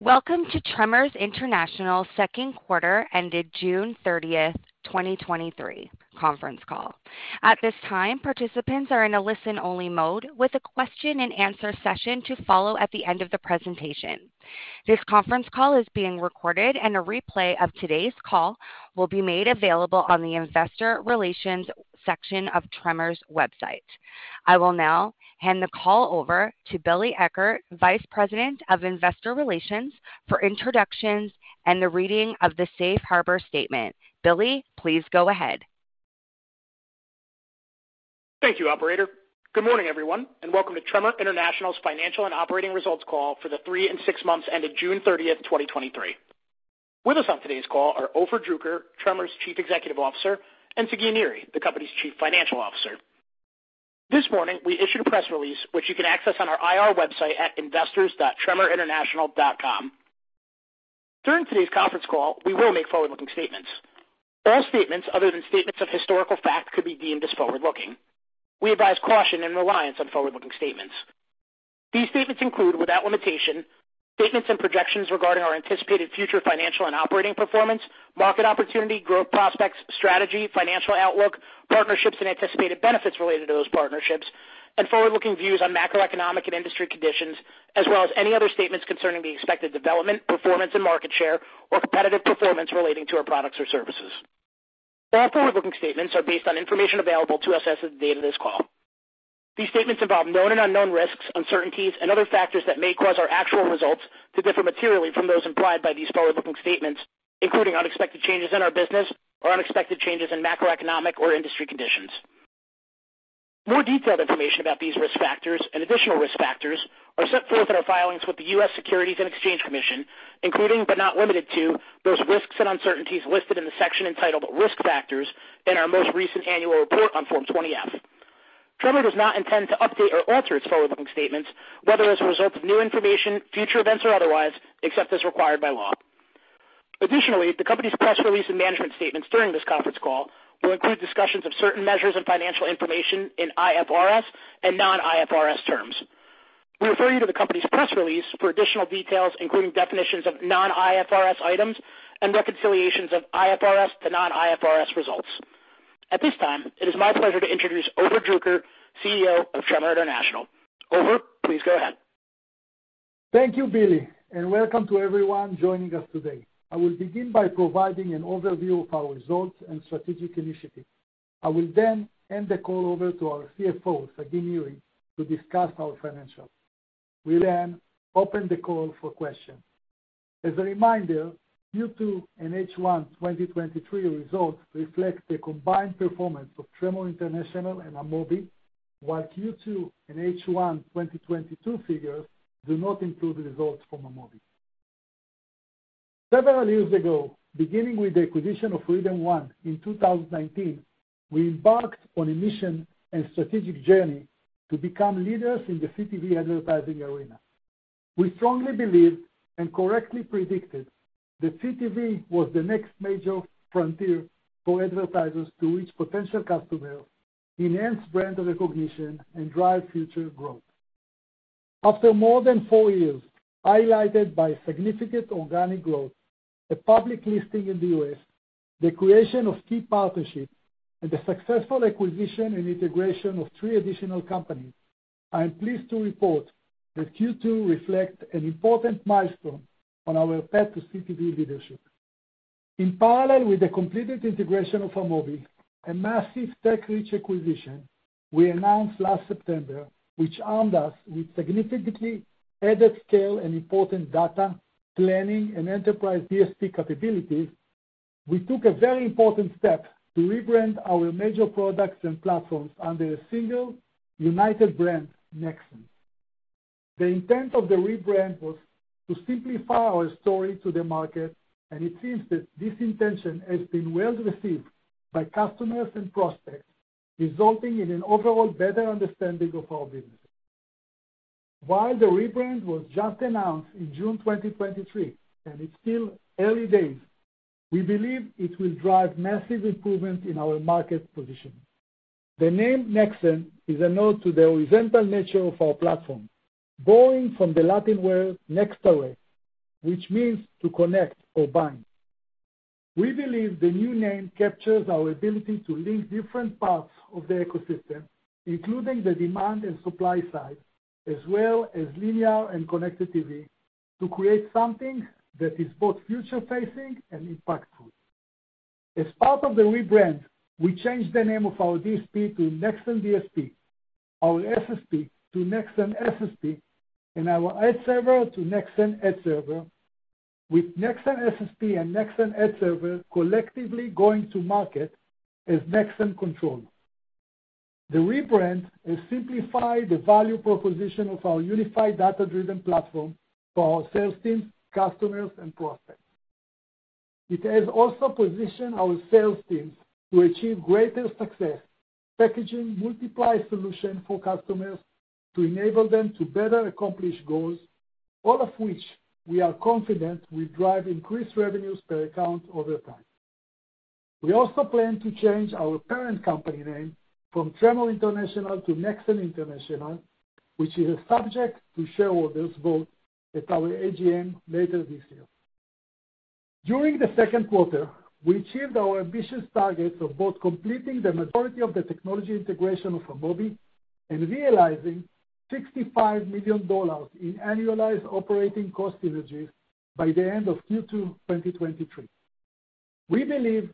Welcome to Tremor International's second quarter ended June 30th, 2023 conference call. At this time, participants are in a listen-only mode, with a question and answer session to follow at the end of the presentation. This conference call is being recorded, and a replay of today's call will be made available on the Investor Relations section of Tremor's website. I will now hand the call over to Billy Eckert, Vice President of Investor Relations, for introductions and the reading of the safe harbor statement. Billy, please go ahead. Thank you, operator. Good morning, everyone, and welcome to Tremor International's financial and operating results call for the three and six months ended June 30th, 2023. With us on today's call are Ofer Druker, Tremor's Chief Executive Officer, and Sagi Niri, the company's Chief Financial Officer. This morning, we issued a press release, which you can access on our IR website at investors.tremorinternational.com. During today's conference call, we will make forward-looking statements. All statements other than statements of historical fact could be deemed as forward-looking. We advise caution and reliance on forward-looking statements. These statements include, without limitation, statements and projections regarding our anticipated future financial and operating performance, market opportunity, growth prospects, strategy, financial outlook, partnerships and anticipated benefits related to those partnerships, and forward-looking views on macroeconomic and industry conditions, as well as any other statements concerning the expected development, performance and market share or competitive performance relating to our products or services. All forward-looking statements are based on information available to us as of the date of this call. These statements involve known and unknown risks, uncertainties, and other factors that may cause our actual results to differ materially from those implied by these forward-looking statements, including unexpected changes in our business or unexpected changes in macroeconomic or industry conditions. More detailed information about these risk factors and additional risk factors are set forth in our filings with the U.S. Securities and Exchange Commission, including, but not limited to, those risks and uncertainties listed in the section entitled Risk Factors in our most recent annual report on Form 20-F. Tremor does not intend to update or alter its forward-looking statements, whether as a result of new information, future events, or otherwise, except as required by law. Additionally, the company's press release and management statements during this conference call will include discussions of certain measures and financial information in IFRS and non-IFRS terms. We refer you to the company's press release for additional details, including definitions of non-IFRS items and reconciliations of IFRS to non-IFRS results. At this time, it is my pleasure to introduce Ofer Druker, CEO of Tremor International. Ofer, please go ahead. Thank you, Billy, and welcome to everyone joining us today. I will begin by providing an overview of our results and strategic initiatives. I will then hand the call over to our CFO, Sagi Niri, to discuss our financials. We'll then open the call for questions. As a reminder, Q2 and H1 2023 results reflect the combined performance of Tremor International and Amobee, while Q2 and H1 2022 figures do not include the results from Amobee. Several years ago, beginning with the acquisition of RhythmOne in 2019, we embarked on a mission and strategic journey to become leaders in the CTV advertising arena. We strongly believed and correctly predicted that CTV was the next major frontier for advertisers to reach potential customers, enhance brand recognition, and drive future growth. After more than four years, highlighted by significant organic growth, a public listing in the US, the creation of key partnerships, and the successful acquisition and integration of three additional companies, I am pleased to report that Q2 reflects an important milestone on our path to CTV leadership. In parallel with the completed integration of Amobee, a massive tech-rich acquisition we announced last September, which armed us with significantly added scale and important data, planning, and enterprise DSP capabilities, we took a very important step to rebrand our major products and platforms under a single united brand, Nexxen. The intent of the rebrand was to simplify our story to the market, and it seems that this intention has been well received by customers and prospects, resulting in an overall better understanding of our business. While the rebrand was just announced in June 2023, and it's still early days, we believe it will drive massive improvement in our market position. The name Nexxen is a nod to the horizontal nature of our platform, borrowing from the Latin word nectere, which means to connect or bind. We believe the new name captures our ability to link different parts of the ecosystem, including the demand and supply side, as well as linear and connected TV, to create something that is both future-facing and impactful. As part of the rebrand, we changed the name of our DSP to Nexxen DSP, our SSP to Nexxen SSP, and our Ad Server to Nexxen Ad Server, with Nexxen SSP and Nexxen Ad Server collectively going to market as Nexxen CTRL. The rebrand has simplified the value proposition of our unified data-driven platform for our sales teams, customers, and prospects. It has also positioned our sales teams to achieve greater success, packaging multiple solutions for customers to enable them to better accomplish goals, all of which we are confident will drive increased revenues per account over time. We also plan to change our parent company name from Tremor International to Nexxen International, which is a subject to shareholders vote at our AGM later this year. During the second quarter, we achieved our ambitious targets of both completing the majority of the technology integration of Amobee and realizing $65 million in annualized operating cost synergies by the end of Q2 2023. We believe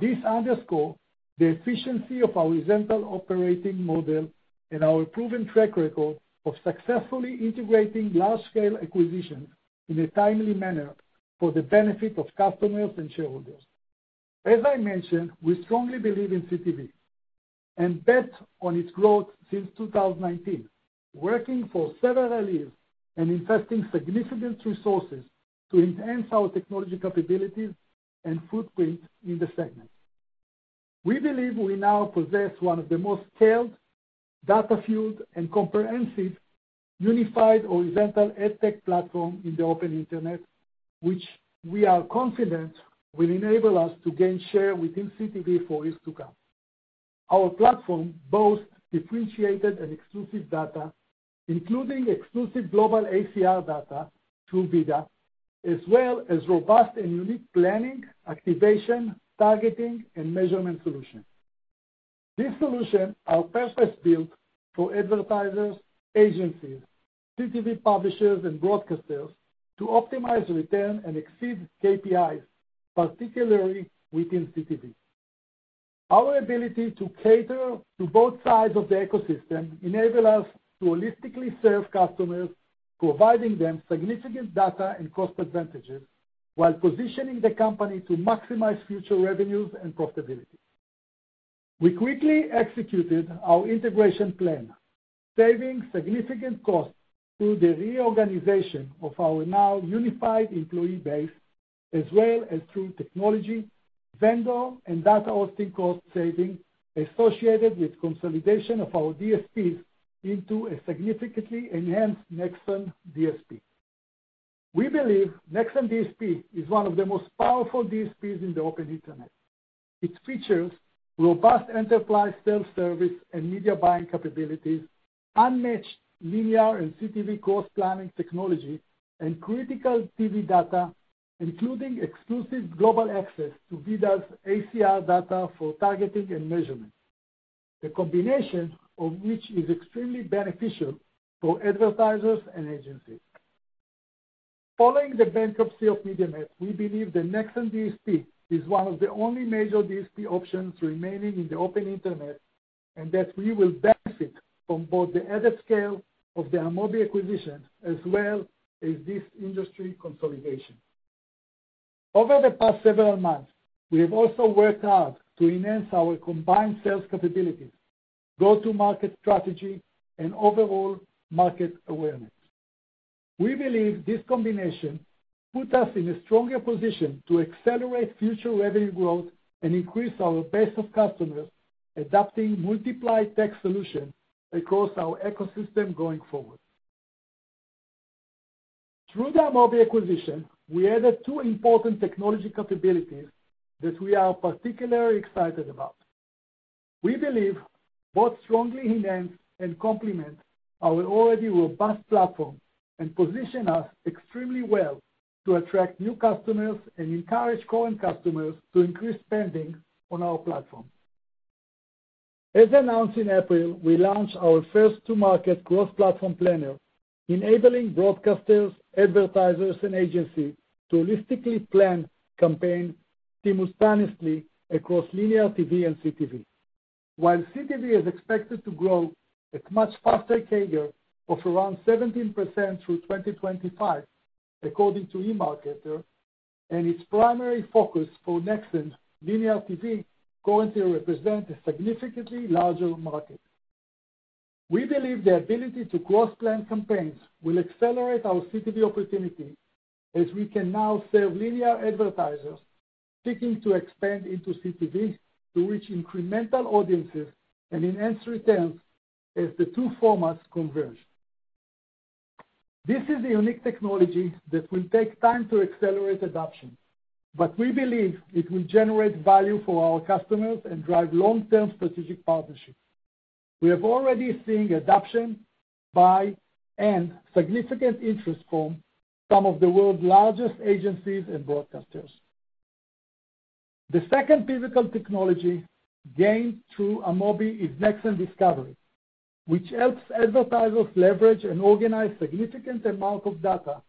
this underscores the efficiency of our horizontal operating model and our proven track record of successfully integrating large-scale acquisitions in a timely manner for the benefit of customers and shareholders. As I mentioned, we strongly believe in CTV and bet on its growth since 2019, working for several years and investing significant resources to enhance our technology capabilities and footprint in the segment. We believe we now possess one of the most scaled, data-fueled, and comprehensive unified horizontal ad tech platform in the open internet, which we are confident will enable us to gain share within CTV for years to come. Our platform boasts differentiated and exclusive data, including exclusive global ACR data through VIDAA, as well as robust and unique planning, activation, targeting, and measurement solutions. These solutions are purpose-built for advertisers, agencies, CTV publishers, and broadcasters to optimize return and exceed KPIs, particularly within CTV. Our ability to cater to both sides of the ecosystem enable us to holistically serve customers, providing them significant data and cost advantages while positioning the company to maximize future revenues and profitability. We quickly executed our integration plan, saving significant costs through the reorganization of our now unified employee base, as well as through technology, vendor, and data hosting cost saving associated with consolidation of our DSPs into a significantly enhanced Nexxen DSP. We believe Nexxen DSP is one of the most powerful DSPs in the open internet. It features robust enterprise self-service and media buying capabilities, unmatched linear and CTV cross-planning technology, and critical TV data, including exclusive global access to VIDAA's ACR data for targeting and measurement. The combination of which is extremely beneficial for advertisers and agencies. Following the bankruptcy of MediaMath, we believe the Nexxen DSP is one of the only major DSP options remaining in the open internet, and that we will benefit from both the added scale of the Amobee acquisition as well as this industry consolidation. Over the past several months, we have also worked hard to enhance our combined sales capabilities, go-to-market strategy, and overall market awareness. We believe this combination puts us in a stronger position to accelerate future revenue growth and increase our base of customers, adapting multiplied tech solutions across our ecosystem going forward. Through the Amobee acquisition, we added two important technology capabilities that we are particularly excited about. We believe both strongly enhance and complement our already robust platform and position us extremely well to attract new customers and encourage current customers to increase spending on our platform. As announced in April, we launched our first to market Cross-Platform Planner, enabling broadcasters, advertisers, and agencies to holistically plan campaigns simultaneously across linear TV and CTV. While CTV is expected to grow at much faster CAGR of around 17% through 2025, according to eMarketer, and its primary focus for Nexxen, linear TV currently represent a significantly larger market. We believe the ability to cross-plan campaigns will accelerate our CTV opportunity, as we can now serve linear advertisers seeking to expand into CTV to reach incremental audiences and enhance returns as the two formats converge. This is a unique technology that will take time to accelerate adoption, but we believe it will generate value for our customers and drive long-term strategic partnerships. We have already seen adoption by and significant interest from some of the world's largest agencies and broadcasters. The second pivotal technology gained through Amobee is Nexxen Discovery, which helps advertisers leverage and organize significant amounts of data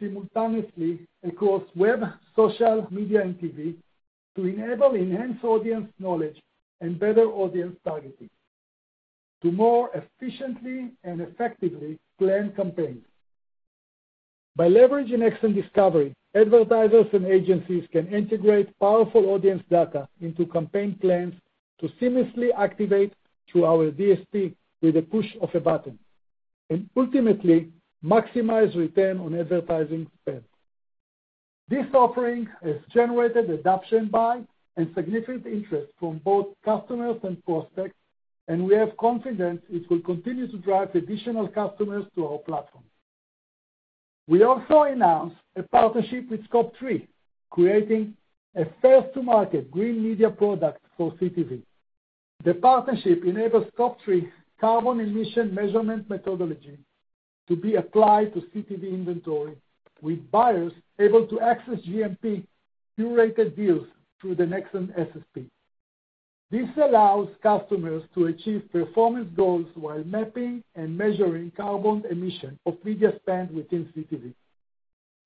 simultaneously across web, social, media, and TV, to enable enhanced audience knowledge and better audience targeting to more efficiently and effectively plan campaigns. By leveraging Nexxen Discovery, advertisers and agencies can integrate powerful audience data into campaign plans to seamlessly activate through our DSP with a push of a button, and ultimately maximize return on advertising spend. This offering has generated adoption by and significant interest from both customers and prospects, and we have confidence it will continue to drive additional customers to our platform. We also announced a partnership with Scope3, creating a first to market green media product for CTV. The partnership enables Scope3 carbon emission measurement methodology to be applied to CTV inventory, with buyers able to access GMP curated views through the Nexxen SSP. This allows customers to achieve performance goals while mapping and measuring carbon emission of media spend within CTV.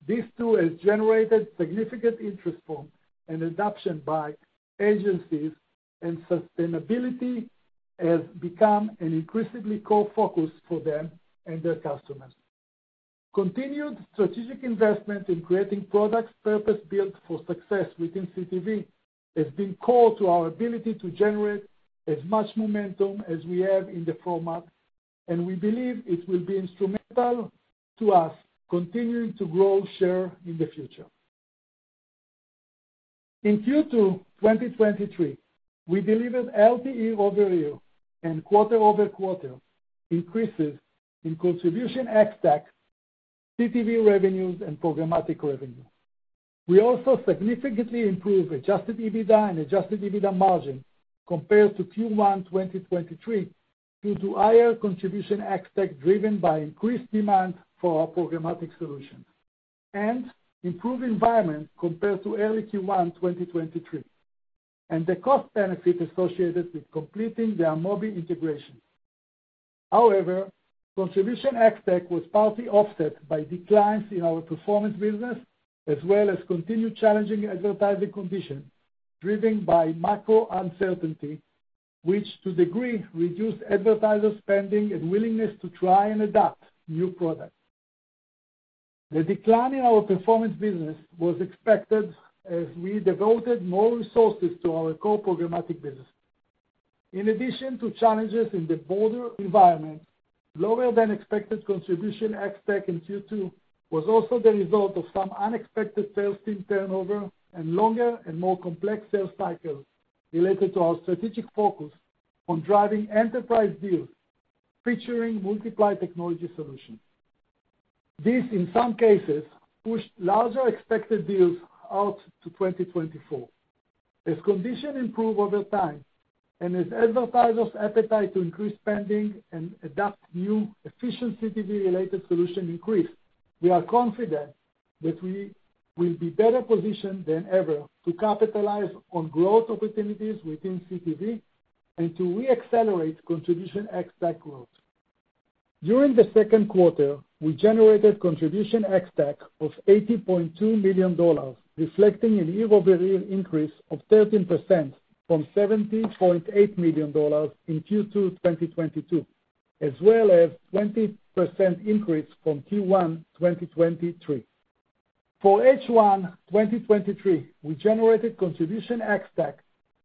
This tool has generated significant interest from and adoption by agencies, and sustainability has become an increasingly core focus for them and their customers. Continued strategic investment in creating products purpose-built for success within CTV has been core to our ability to generate as much momentum as we have in the format, and we believe it will be instrumental to us continuing to grow share in the future. In Q2 2023, we delivered [LTE] year-over-year and quarter-over-quarter increases in contribution ex-TAC, CTV revenues, and programmatic revenue. We also significantly improved adjusted EBITDA and adjusted EBITDA margin compared to Q1 2023, due to higher contribution ex-TAC, driven by increased demand for our programmatic solutions and improved environment compared to early Q1 2023, and the cost benefit associated with completing the Amobee integration. However, contribution ex-TAC was partly offset by declines in our performance business, as well as continued challenging advertising conditions, driven by macro uncertainty, which to degree, reduced advertiser spending and willingness to try and adapt new products. The decline in our performance business was expected as we devoted more resources to our core programmatic business. In addition to challenges in the broader environment, lower than expected contribution ex-TAC in Q2 was also the result of some unexpected sales team turnover and longer and more complex sales cycles related to our strategic focus on driving enterprise deals featuring multiply technology solutions. This, in some cases, pushed larger expected deals out to 2024. As conditions improve over time and as advertisers' appetite to increase spending and adopt new efficient CTV-related solutions increase, we are confident that we will be better positioned than ever to capitalize on growth opportunities within CTV and to re-accelerate contribution ex-TAC growth. During the second quarter, we generated contribution ex-TAC of $80.2 million, reflecting a year-over-year increase of 13% from $70.8 million in Q2 2022, as well as 20% increase from Q1 2023. For H1 2023, we generated contribution ex-TAC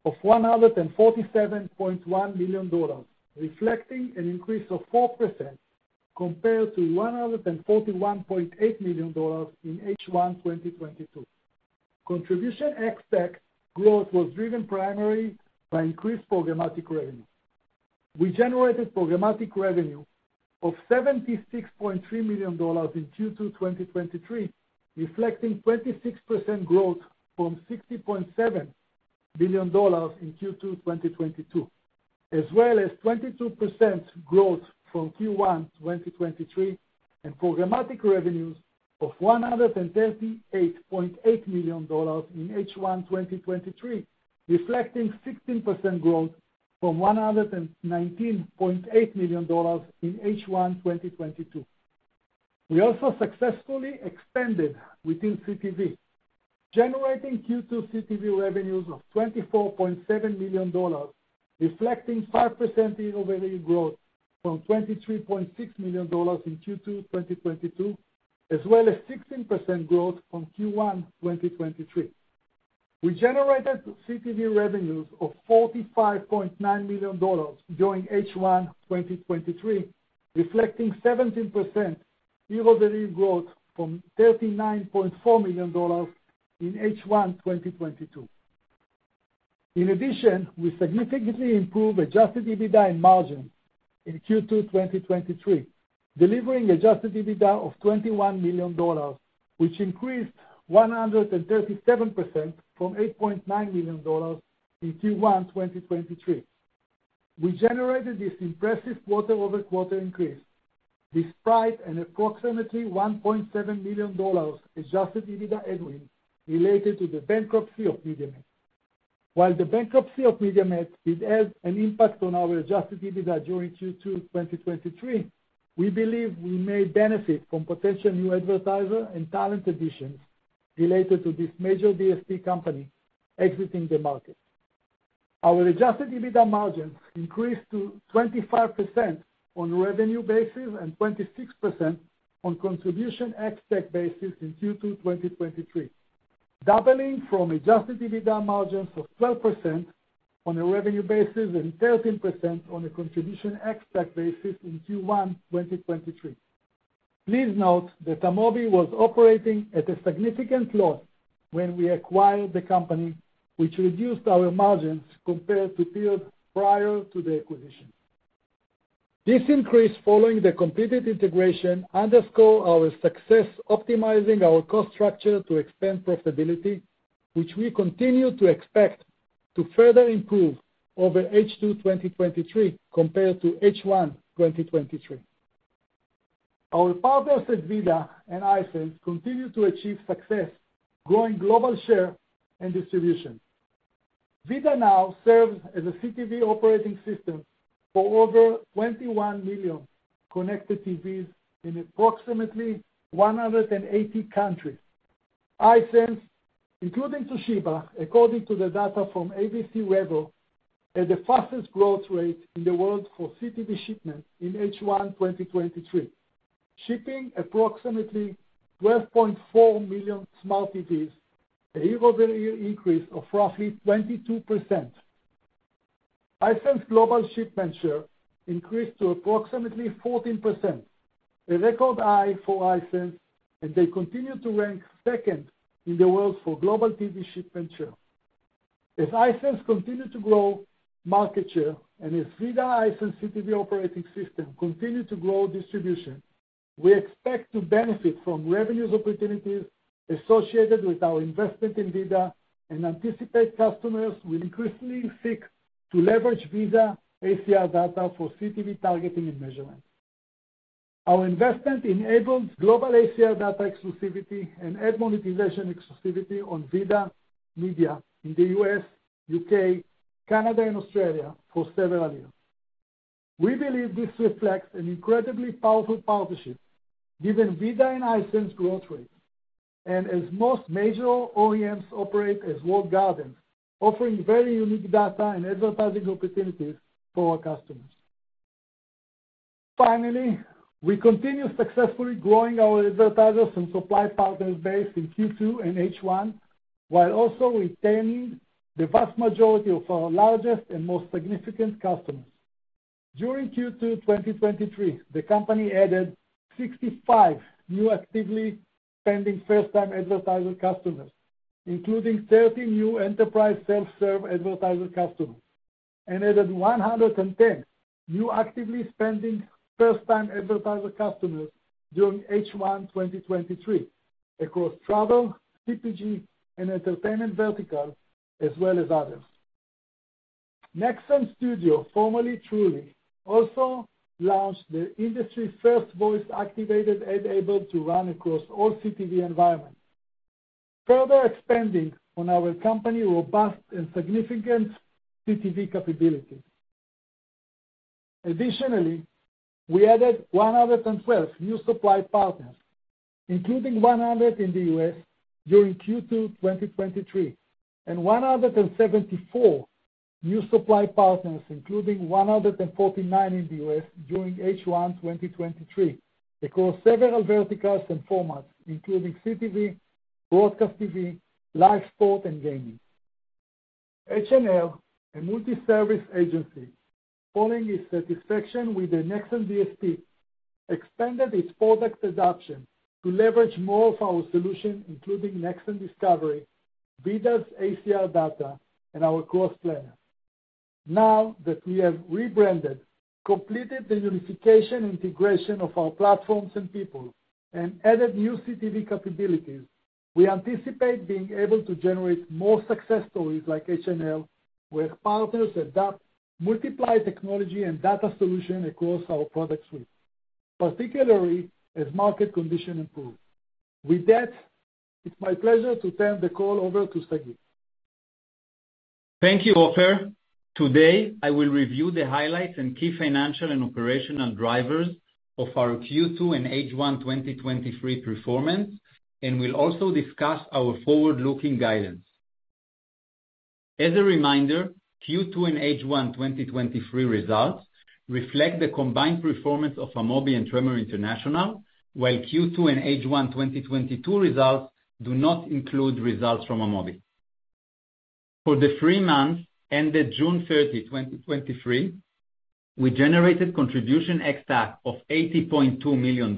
of $147.1 million, reflecting an increase of 4% compared to $141.8 million in H1 2022. Contribution ex-TAC growth was driven primarily by increased programmatic revenue. We generated programmatic revenue of $76.3 million in Q2 2023, reflecting 26% growth from $60.7 [billion] in Q2 2022, as well as 22% growth from Q1 2023, and programmatic revenues of $138.8 million in H1 2023, reflecting 16% growth from $119.8 million in H1 2022. We also successfully expanded within CTV, generating Q2 CTV revenues of $24.7 million, reflecting 5% year-over-year growth from $23.6 million in Q2 2022, as well as 16% growth from Q1 2023. We generated CTV revenues of $45.9 million during H1 2023, reflecting 17% year-over-year growth from $39.4 million in H1 2022. In addition, we significantly improved adjusted EBITDA and margin in Q2 2023, delivering adjusted EBITDA of $21 million, which increased 137% from $8.9 million in Q1 2023. We generated this impressive quarter-over-quarter increase despite an approximately $1.7 million adjusted EBITDA headwind related to the bankruptcy of MediaMath. While the bankruptcy of MediaMath did have an impact on our adjusted EBITDA during Q2 2023, we believe we may benefit from potential new advertisers and talent additions related to this major DSP company exiting the market. Our adjusted EBITDA margins increased to 25% on revenue basis and 26% on contribution ex-TAC basis in Q2 2023, doubling from adjusted EBITDA margins of 12% on a revenue basis and 13% on a contribution ex-TAC basis in Q1 2023. Please note that Amobee was operating at a significant loss when we acquired the company, which reduced our margins compared to periods prior to the acquisition. This increase following the completed integration underscore our success, optimizing our cost structure to expand profitability, which we continue to expect to further improve over H2 2023 compared to H1 2023. Our partners at VIDAA and Hisense continue to achieve success, growing global share and distribution. VIDAA now serves as a CTV operating system for over 21 million connected TVs in approximately 180 countries. Hisense, including Toshiba, according to the data from AVC Revo, had the fastest growth rate in the world for CTV shipments in H1 2023, shipping approximately 12.4 million smart TVs, a year-over-year increase of roughly 22%. Hisense global shipment share increased to approximately 14%, a record high for Hisense. They continue to rank second in the world for global TV shipment share. As Hisense continue to grow market share, and as VIDAA Hisense CTV operating system continue to grow distribution, we expect to benefit from revenues opportunities associated with our investment in VIDAA, and anticipate customers will increasingly seek to leverage VIDAA ACR data for CTV targeting and measurement. Our investment enables global ACR data exclusivity and ad monetization exclusivity on VIDAA media in the U.S., U.K., Canada, and Australia for several years. We believe this reflects an incredibly powerful partnership, given VIDAA and Hisense growth rate, and as most major OEMs operate as walled gardens, offering very unique data and advertising opportunities for our customers. Finally, we continue successfully growing our advertisers and supply partners base in Q2 and H1, while also retaining the vast majority of our largest and most significant customers. During Q2 2023, the company added 65 new actively spending first-time advertiser customers, including 30 new enterprise self-serve advertiser customers, and added 110 new actively spending first-time advertiser customers during H1 2023 across travel, CPG, and entertainment vertical, as well as others. Nexxen Studio, formerly Unruly, also launched the industry's first voice-activated ad, able to run across all CTV environments, further expanding on our company robust and significant CTV capabilities. Additionally, we added 112 new supply partners, including 100 in the U.S. during Q2 2023, and 174 new supply partners, including 149 in the U.S. during H1 2023, across several verticals and formats, including CTV, broadcast TV, live sport, and gaming. H&L, a multi-service agency, following its satisfaction with the Nexxen DSP, expanded its product adoption to leverage more of our solution, including Nexxen Discovery, VIDAA's ACR data, and our cross planner. Now, that we have rebranded, completed the unification integration of our platforms and people, and added new CTV capabilities, we anticipate being able to generate more success stories like H&L, where partners adopt multiply technology and data solution across our product suite, particularly as market conditions improve. With that, it's my pleasure to turn the call over to Sagi. Thank you, Ofer. Today, I will review the highlights and key financial and operational drivers of our Q2 and H1 2023 performance, and will also discuss our forward-looking guidance. As a reminder, Q2 and H1 2023 results reflect the combined performance of Amobee and Tremor International, while Q2 and H1 2022 results do not include results from Amobee. For the three months ended June 30, 2023, we generated contribution ex-TAC of $80.2 million,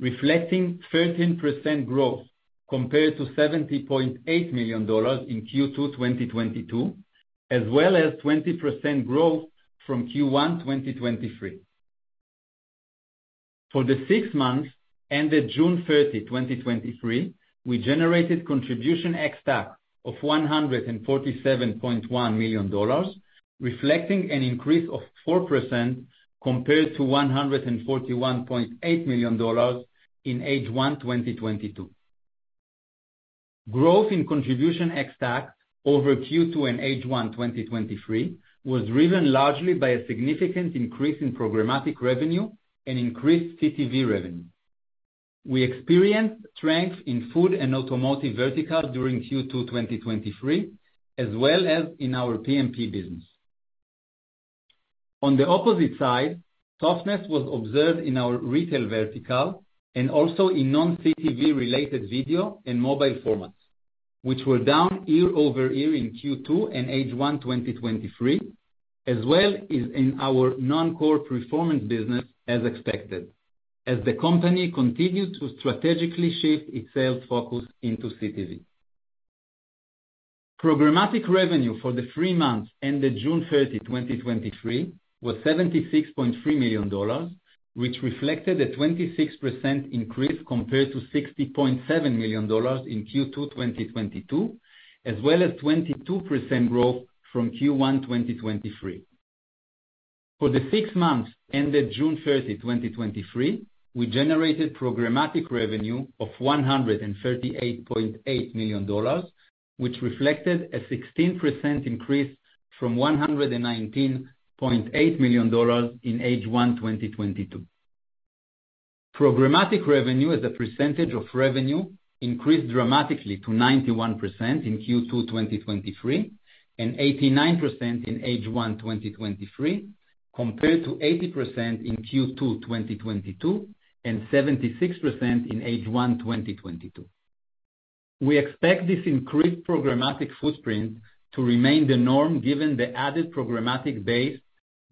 reflecting 13% growth compared to $70.8 million in Q2 2022, as well as 20% growth from Q1 2023. For the six months ended June 30, 2023, we generated contribution ex-TAC of $147.1 million, reflecting an increase of 4% compared to $141.8 million in H1 2022. Growth in contribution ex-TAC over Q2 and H1 2023 was driven largely by a significant increase in programmatic revenue and increased CTV revenue. We experienced strength in food and automotive vertical during Q2 2023, as well as in our PMP business. On the opposite side, softness was observed in our retail vertical and also in non-CTV related video and mobile formats, which were down year-over-year in Q2 and H1 2023, as well as in our non-core performance business as expected, as the company continued to strategically shift its sales focus into CTV. Programmatic revenue for the three months ended June 30, 2023, was $76.3 million, which reflected a 26% increase compared to $60.7 million in Q2 2022, as well as 22% growth from Q1 2023. For the six months ended June 30, 2023, we generated programmatic revenue of $138.8 million, which reflected a 16% increase from $119.8 million in H1 2022. Programmatic revenue, as a percentage of revenue, increased dramatically to 91% in Q2 2023, and 89% in H1 2023, compared to 80% in Q2 2022, and 76% in H1 2022. We expect this increased programmatic footprint to remain the norm, given the added programmatic base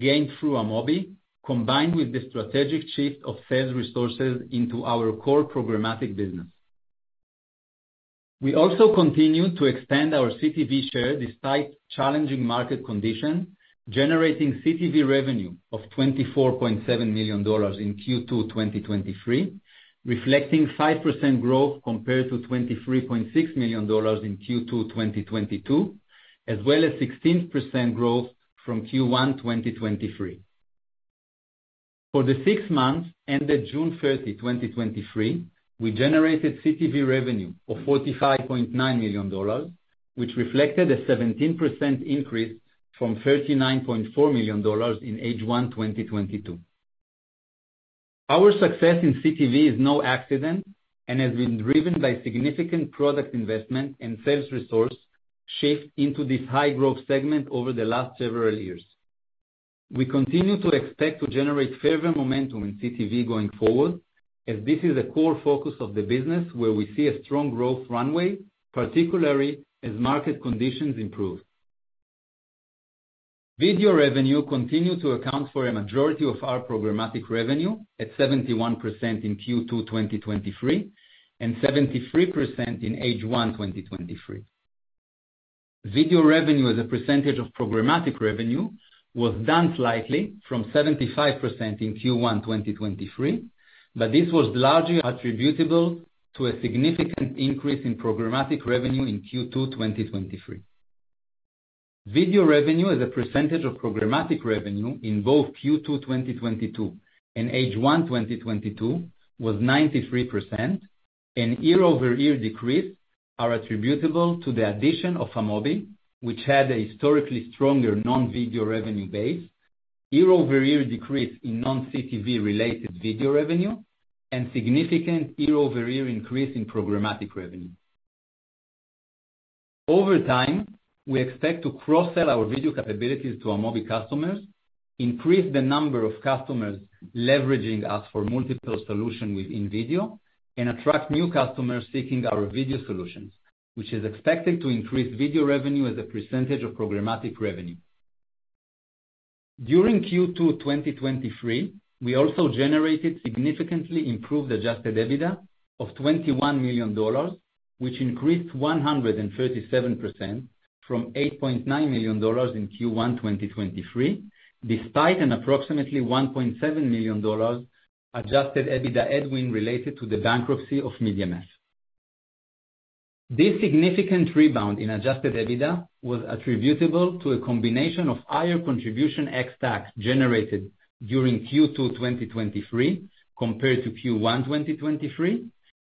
gained through Amobee, combined with the strategic shift of sales resources into our core programmatic business. We also continue to extend our CTV share despite challenging market conditions, generating CTV revenue of $24.7 million in Q2 2023, reflecting 5% growth compared to $23.6 million in Q2 2022, as well as 16% growth from Q1 2023. For the six months ended June 30, 2023, we generated CTV revenue of $45.9 million, which reflected a 17% increase from $39.4 million in H1 2022. Our success in CTV is no accident and has been driven by significant product investment and sales resource shift into this high growth segment over the last several years. We continue to expect to generate further momentum in CTV going forward, as this is a core focus of the business where we see a strong growth runway, particularly as market conditions improve. Video revenue continued to account for a majority of our programmatic revenue at 71% in Q2 2023, and 73% in H1 2023. Video revenue, as a percentage of programmatic revenue, was down slightly from 75% in Q1 2023, but this was largely attributable to a significant increase in programmatic revenue in Q2 2023. Video revenue, as a percentage of programmatic revenue in both Q2 2022 and H1 2022, was 93%, and year-over-year decreases are attributable to the addition of Amobee, which had a historically stronger non-video revenue base, year-over-year decrease in non-CTV related video revenue, and significant year-over-year increase in programmatic revenue. Over time, we expect to cross-sell our video capabilities to Amobee customers, increase the number of customers leveraging us for multiple solution within video, and attract new customers seeking our video solutions, which is expected to increase video revenue as a percentage of programmatic revenue. During Q2 2023, we also generated significantly improved adjusted EBITDA of $21 million, which increased 137% from $8.9 million in Q1 2023, despite an approximately $1.7 million adjusted EBITDA headwind, related to the bankruptcy of MediaMath. This significant rebound in adjusted EBITDA was attributable to a combination of higher contribution ex-TAC generated during Q2 2023, compared to Q1 2023,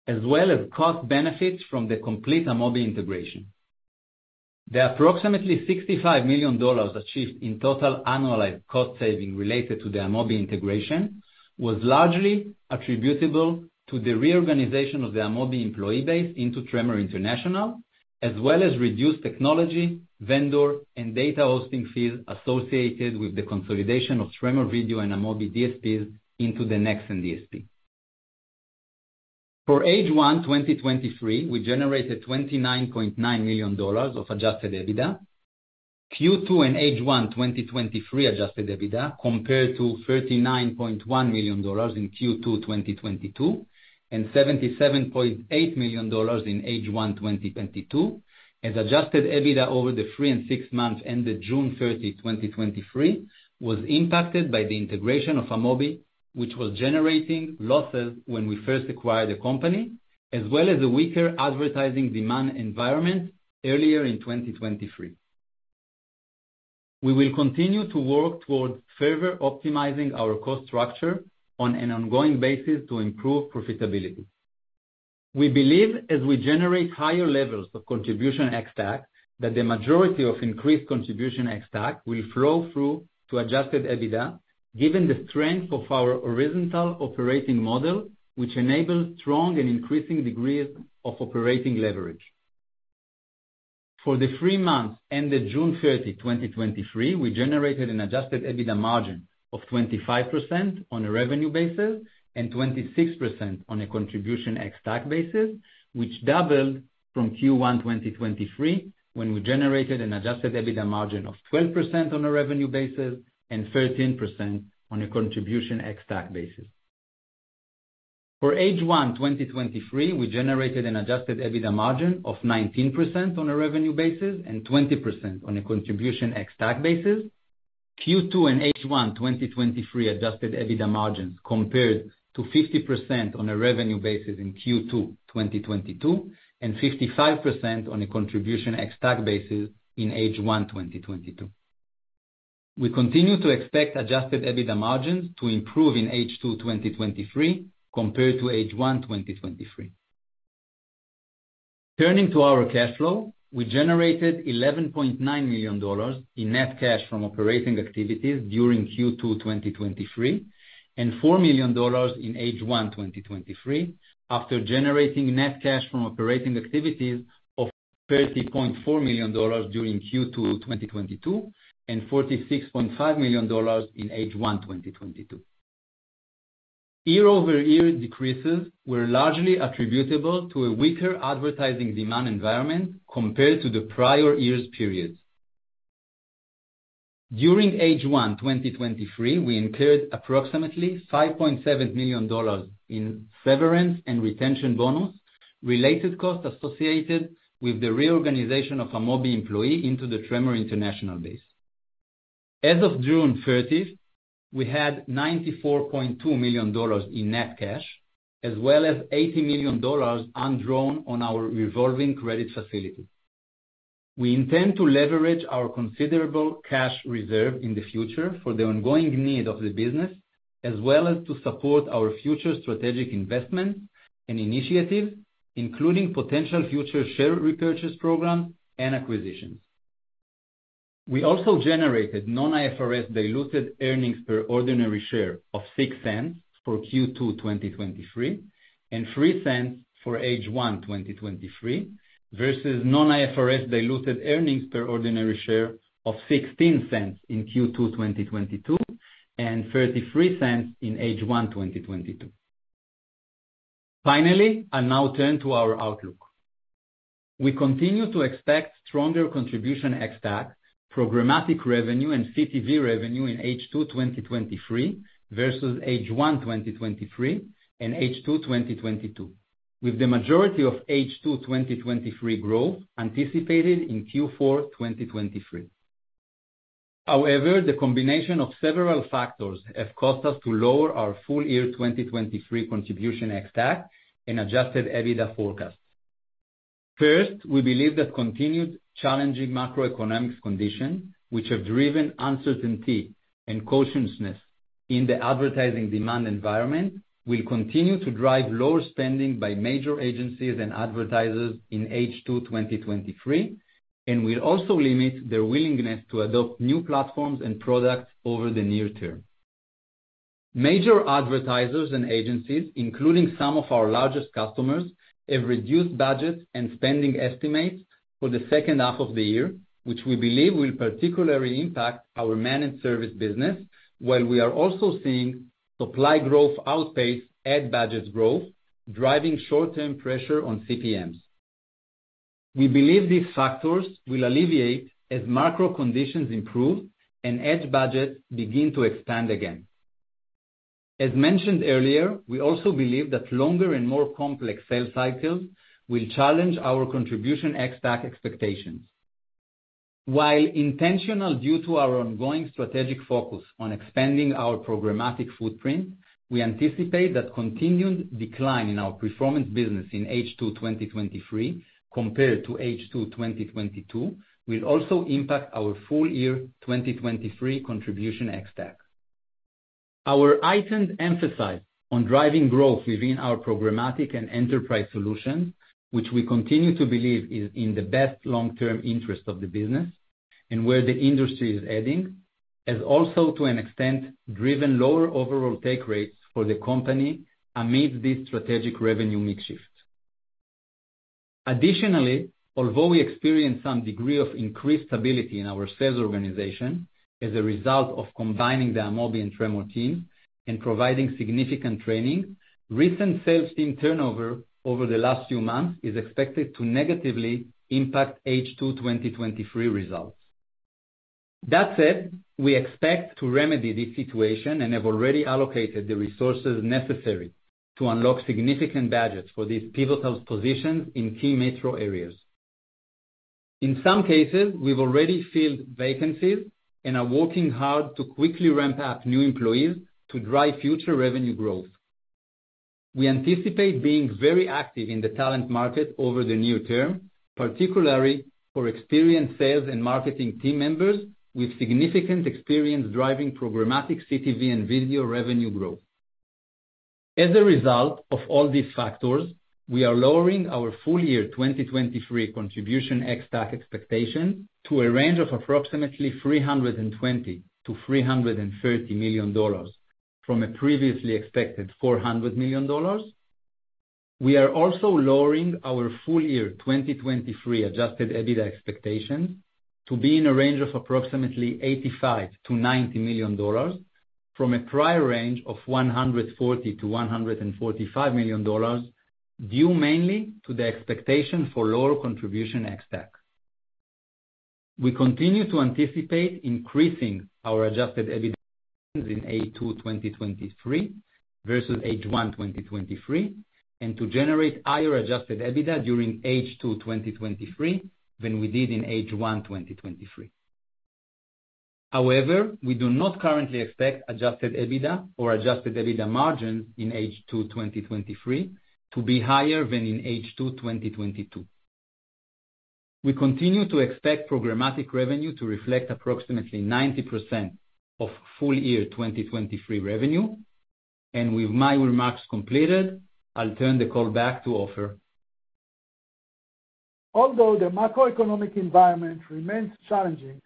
as well as cost benefits from the complete Amobee integration. The approximately $65 million achieved in total annualized cost saving related to the Amobee integration was largely attributable to the reorganization of the Amobee employee base into Tremor International, as well as reduced technology, vendor, and data hosting fees associated with the consolidation of Tremor Video and Amobee DSPs into the Nexxen DSP. For H1 2023, we generated $29.9 million of adjusted EBITDA. Q2 and H1 2023 adjusted EBITDA, compared to $39.1 million in Q2 2022, and $77.8 million in H1 2022. As adjusted, adjusted EBITDA over the three and six months ended June 30, 2023, was impacted by the integration of Amobee, which was generating losses when we first acquired the company, as well as a weaker advertising demand environment earlier in 2023. We will continue to work towards further optimizing our cost structure on an ongoing basis to improve profitability. We believe, as we generate higher levels of contribution ex-TAC, that the majority of increased contribution ex-TAC will flow through to adjusted EBITDA, given the strength of our horizontal operating model, which enables strong and increasing degrees of operating leverage. For the three months ended June 30, 2023, we generated an adjusted EBITDA margin of 25% on a revenue basis, and 26% on a contribution ex-TAC basis, which doubled from Q1 2023, when we generated an adjusted EBITDA margin of 12% on a revenue basis and 13% on a contribution ex-TAC basis. For H1 2023, we generated an adjusted EBITDA margin of 19% on a revenue basis and 20% on a Contribution ex-TAC basis. Q2 and H1 2023 adjusted EBITDA margins compared to 50% on a revenue basis in Q2 2022, and 55% on a contribution ex-TAC basis in H1 2022. We continue to expect adjusted EBITDA margins to improve in H2 2023 compared to H1 2023. Turning to our cash flow. We generated $11.9 million in net cash from operating activities during Q2 2023, and $4 million in H1 2023, after generating net cash from operating activities of $30.4 million during Q2 2022, and $46.5 million in H1 2022. Year-over-year decreases were largely attributable to a weaker advertising demand environment compared to the prior year's periods. During H1 2023, we incurred approximately $5.7 million in severance and retention bonus, related costs associated with the reorganization of Amobee employee into the Tremor International base. As of June 30, we had $94.2 million in net cash, as well as $80 million undrawn on our revolving credit facility. We intend to leverage our considerable cash reserve in the future for the ongoing need of the business, as well as to support our future strategic investments and initiatives, including potential future share repurchase program and acquisitions. We also generated non-IFRS diluted earnings per ordinary share of $0.06 for Q2 2023, and $0.03 for H1 2023, versus non-IFRS diluted earnings per ordinary share of $0.16 in Q2 2022, and $0.33 in H1 2022. Finally, I now turn to our outlook. We continue to expect stronger contribution ex-TAC, programmatic revenue and CTV revenue in H2 2023 versus H1 2023 and H2 2022, with the majority of H2 2023 growth anticipated in Q4 2023. The combination of several factors have caused us to lower our full year 2023 contribution ex-TAC and adjusted EBITDA forecasts. First, we believe that continued challenging macroeconomic conditions, which have driven uncertainty and cautiousness in the advertising demand environment, will continue to drive lower spending by major agencies and advertisers in H2 2023, and will also limit their willingness to adopt new platforms and products over the near term. Major advertisers and agencies, including some of our largest customers, have reduced budgets and spending estimates for the second half of the year, which we believe will particularly impact our managed service business, while we are also seeing supply growth outpace ad budgets growth, driving short-term pressure on CPMs. We believe these factors will alleviate as macro conditions improve and ad budgets begin to expand again. As mentioned earlier, we also believe that longer and more complex sales cycles will challenge our contribution ex-TAC expectations. While intentional, due to our ongoing strategic focus on expanding our programmatic footprint, we anticipate that continued decline in our performance business in H2 2023 compared to H2 2022, will also impact our full year 2023 contribution ex-TAC. Our heightened emphasis on driving growth within our programmatic and enterprise solutions, which we continue to believe is in the best long-term interest of the business and where the industry is heading, has also, to an extent, driven lower overall take rates for the company amid this strategic revenue mix shift. Additionally, although we experienced some degree of increased stability in our sales organization as a result of combining the Amobee and Tremor team and providing significant training, recent sales team turnover over the last few months is expected to negatively impact H2 2023 results. That said, we expect to remedy this situation and have already allocated the resources necessary to unlock significant budgets for these pivotal positions in key metro areas. In some cases, we've already filled vacancies and are working hard to quickly ramp up new employees to drive future revenue growth. We anticipate being very active in the talent market over the near term, particularly for experienced sales and marketing team members with significant experience driving programmatic CTV and video revenue growth. As a result of all these factors, we are lowering our full year 2023 contribution ex-TAC expectation to a range of approximately $320 million-$330 million, from a previously expected $400 million. We are also lowering our full year 2023 adjusted EBITDA expectations to be in a range of approximately $85 million-$90 million, from a prior range of $140 million-$145 million, due mainly to the expectation for lower contribution ex-TAC. We continue to anticipate increasing our adjusted EBITDA in H2 2023 versus H1 2023, and to generate higher adjusted EBITDA during H2 2023 than we did in H1 2023. However, we do not currently expect Adjusted EBITDA or Adjusted EBITDA margin in H2 2023 to be higher than in H2 2022. We continue to expect programmatic revenue to reflect approximately 90% of full year 2023 revenue. With my remarks completed, I'll turn the call back to Ofer. Although the macroeconomic environment remains challenging,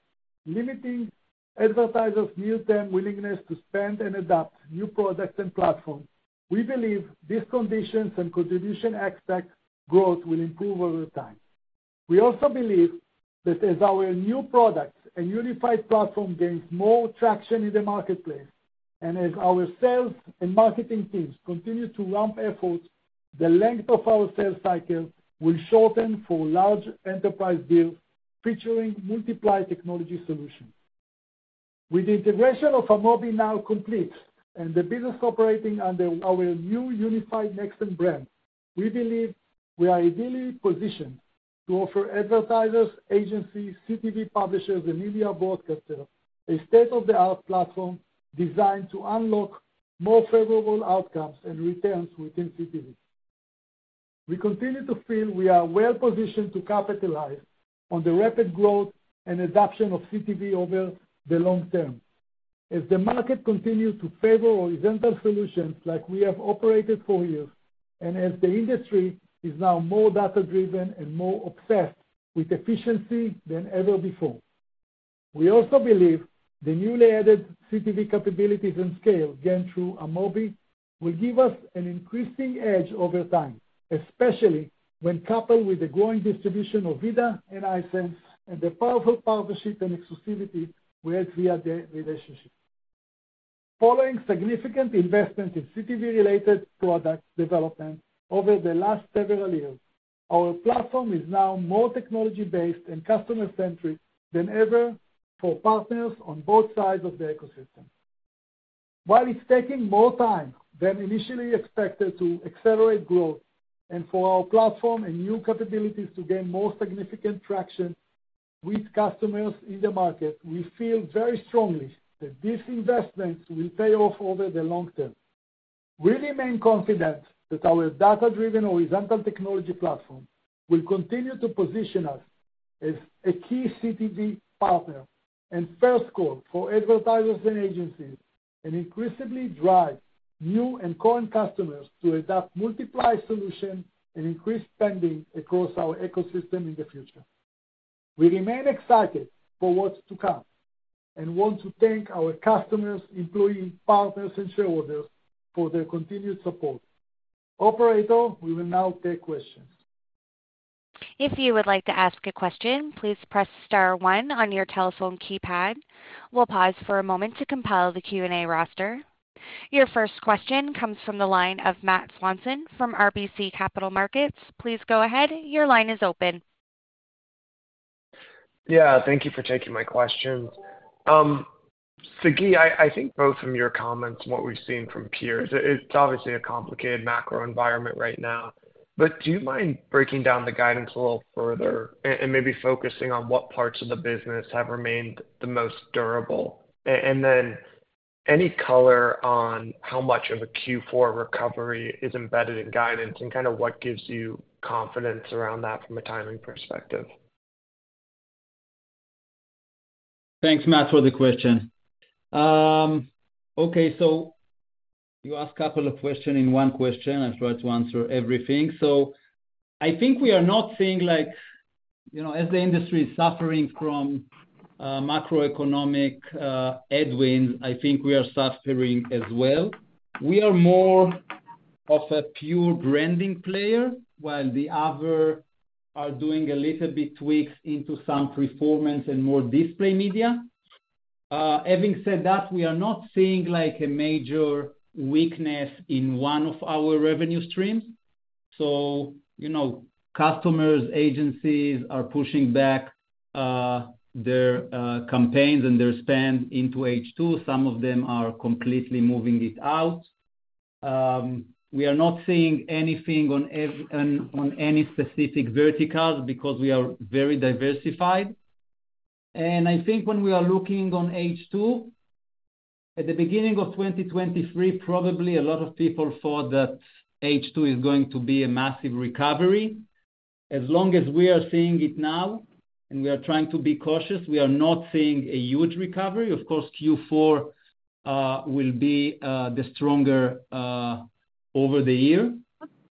limiting advertisers' near-term willingness to spend and adapt new products and platforms, we believe these conditions and contribution aspect growth will improve over time. We also believe that as our new products and unified platform gains more traction in the marketplace, and as our sales and marketing teams continue to ramp efforts, the length of our sales cycle will shorten for large enterprise deals featuring multiply technology solutions. With the integration of Amobee now complete and the business operating under our new unified Nexxen brand, we believe we are ideally positioned to offer advertisers, agencies, CTV publishers, and media broadcasters a state-of-the-art platform designed to unlock more favorable outcomes and returns within CTV. We continue to feel we are well positioned to capitalize on the rapid growth and adoption of CTV over the long term. As the market continues to favor horizontal solutions like we have operated for years, as the industry is now more data-driven and more obsessed with efficiency than ever before. We also believe the newly added CTV capabilities and scale gained through Amobee will give us an increasing edge over time, especially when coupled with the growing distribution of VIDAA Hisense and the powerful partnership and exclusivity we have via the relationship. Following significant investment in CTV-related product development over the last several years, our platform is now more technology-based and customer-centric than ever for partners on both sides of the ecosystem. While it's taking more time than initially expected to accelerate growth and for our platform and new capabilities to gain more significant traction with customers in the market, we feel very strongly that these investments will pay off over the long term. We remain confident that our data-driven, horizontal technology platform will continue to position us as a key CTV partner and first call for advertisers and agencies, and increasingly drive new and current customers to adopt multiply solutions and increase spending across our ecosystem in the future. We remain excited for what's to come, and want to thank our customers, employees, partners, and shareholders for their continued support. Operator, we will now take questions. If you would like to ask a question, please press star one on your telephone keypad. We'll pause for a moment to compile the Q&A roster. Your first question comes from the line of Matt Swanson from RBC Capital Markets. Please go ahead. Your line is open. Yeah, thank you for taking my questions. Sagi, I, I think both from your comments and what we've seen from peers, it's obviously a complicated macro environment right now, do you mind breaking down the guidance a little further and maybe focusing on what parts of the business have remained the most durable? Then any color on how much of a Q4 recovery is embedded in guidance and kind of what gives you confidence around that from a timing perspective? Thanks, Matt, for the question. Okay, you asked a couple of question in one question. I'll try to answer everything. I think we are not seeing like, you know, as the industry is suffering from macroeconomic headwinds, I think we are suffering as well. We are more of a pure branding player, while the other are doing a little bit tweaks into some performance and more display media. Having said that, we are not seeing like a major weakness in one of our revenue streams. You know, customers, agencies are pushing back their campaigns and their spend into H2. Some of them are completely moving it out. We are not seeing anything on any specific verticals because we are very diversified. I think when we are looking on H2, at the beginning of 2023, probably a lot of people thought that H2 is going to be a massive recovery. As long as we are seeing it now and we are trying to be cautious, we are not seeing a huge recovery. Of course, Q4 will be the stronger over the year.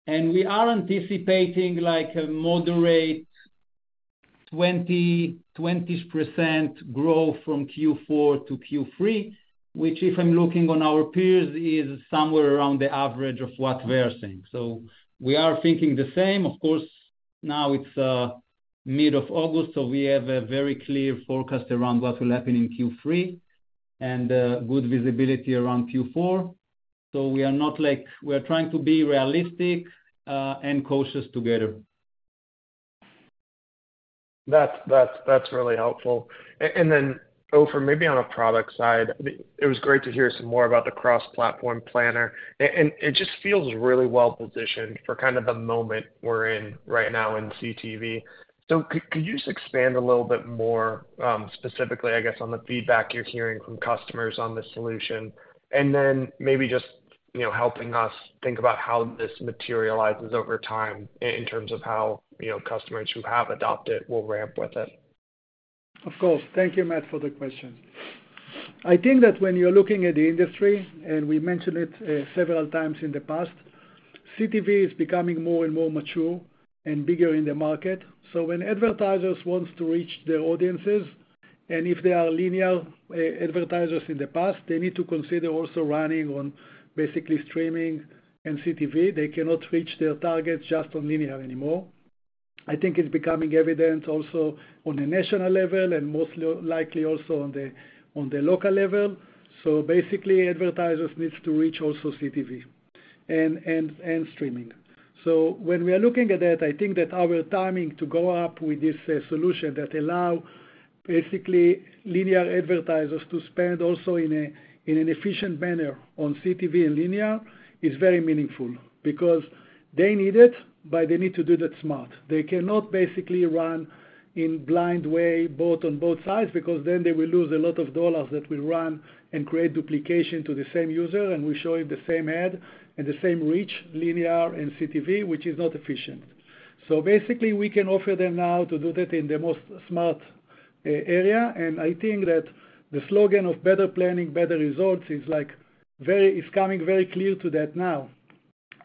We are anticipating like a moderate 20% growth from Q4 to Q3, which, if I'm looking on our peers, is somewhere around the average of what we are seeing. We are thinking the same. Of course, now it's mid of August, so we have a very clear forecast around what will happen in Q3 and good visibility around Q4. We are not we are trying to be realistic, and cautious together. That's, that's, that's really helpful. Then, Ofer, maybe on a product side, it was great to hear some more about the Cross-Platform Planner. It just feels really well-positioned for kind of the moment we're in right now in CTV. Could you just expand a little bit more, specifically, I guess, on the feedback you're hearing from customers on this solution? Then maybe just, you know, helping us think about how this materializes over time in terms of how, you know, customers who have adopted will ramp with it. Of course. Thank you, Matt, for the question. I think that when you're looking at the industry, and we mentioned it several times in the past, CTV is becoming more and more mature and bigger in the market. When advertisers wants to reach their audiences, and if they are linear advertisers in the past, they need to consider also running on basically streaming and CTV. They cannot reach their targets just on linear anymore. I think it's becoming evident also on a national level and most likely also on the local level. Basically, advertisers needs to reach also CTV and streaming. When we are looking at that, I think that our timing to go up with this solution that allow basically linear advertisers to spend also in a, in an efficient manner on CTV and linear, is very meaningful because they need it, but they need to do that smart. They cannot basically run in blind way, both on both sides, because then they will lose a lot of dollars that will run and create duplication to the same user, and we show him the same ad and the same reach, linear and CTV, which is not efficient. Basically, we can offer them now to do that in the most smart area. I think that the slogan of better planning, better results, is like it's coming very clear to that now.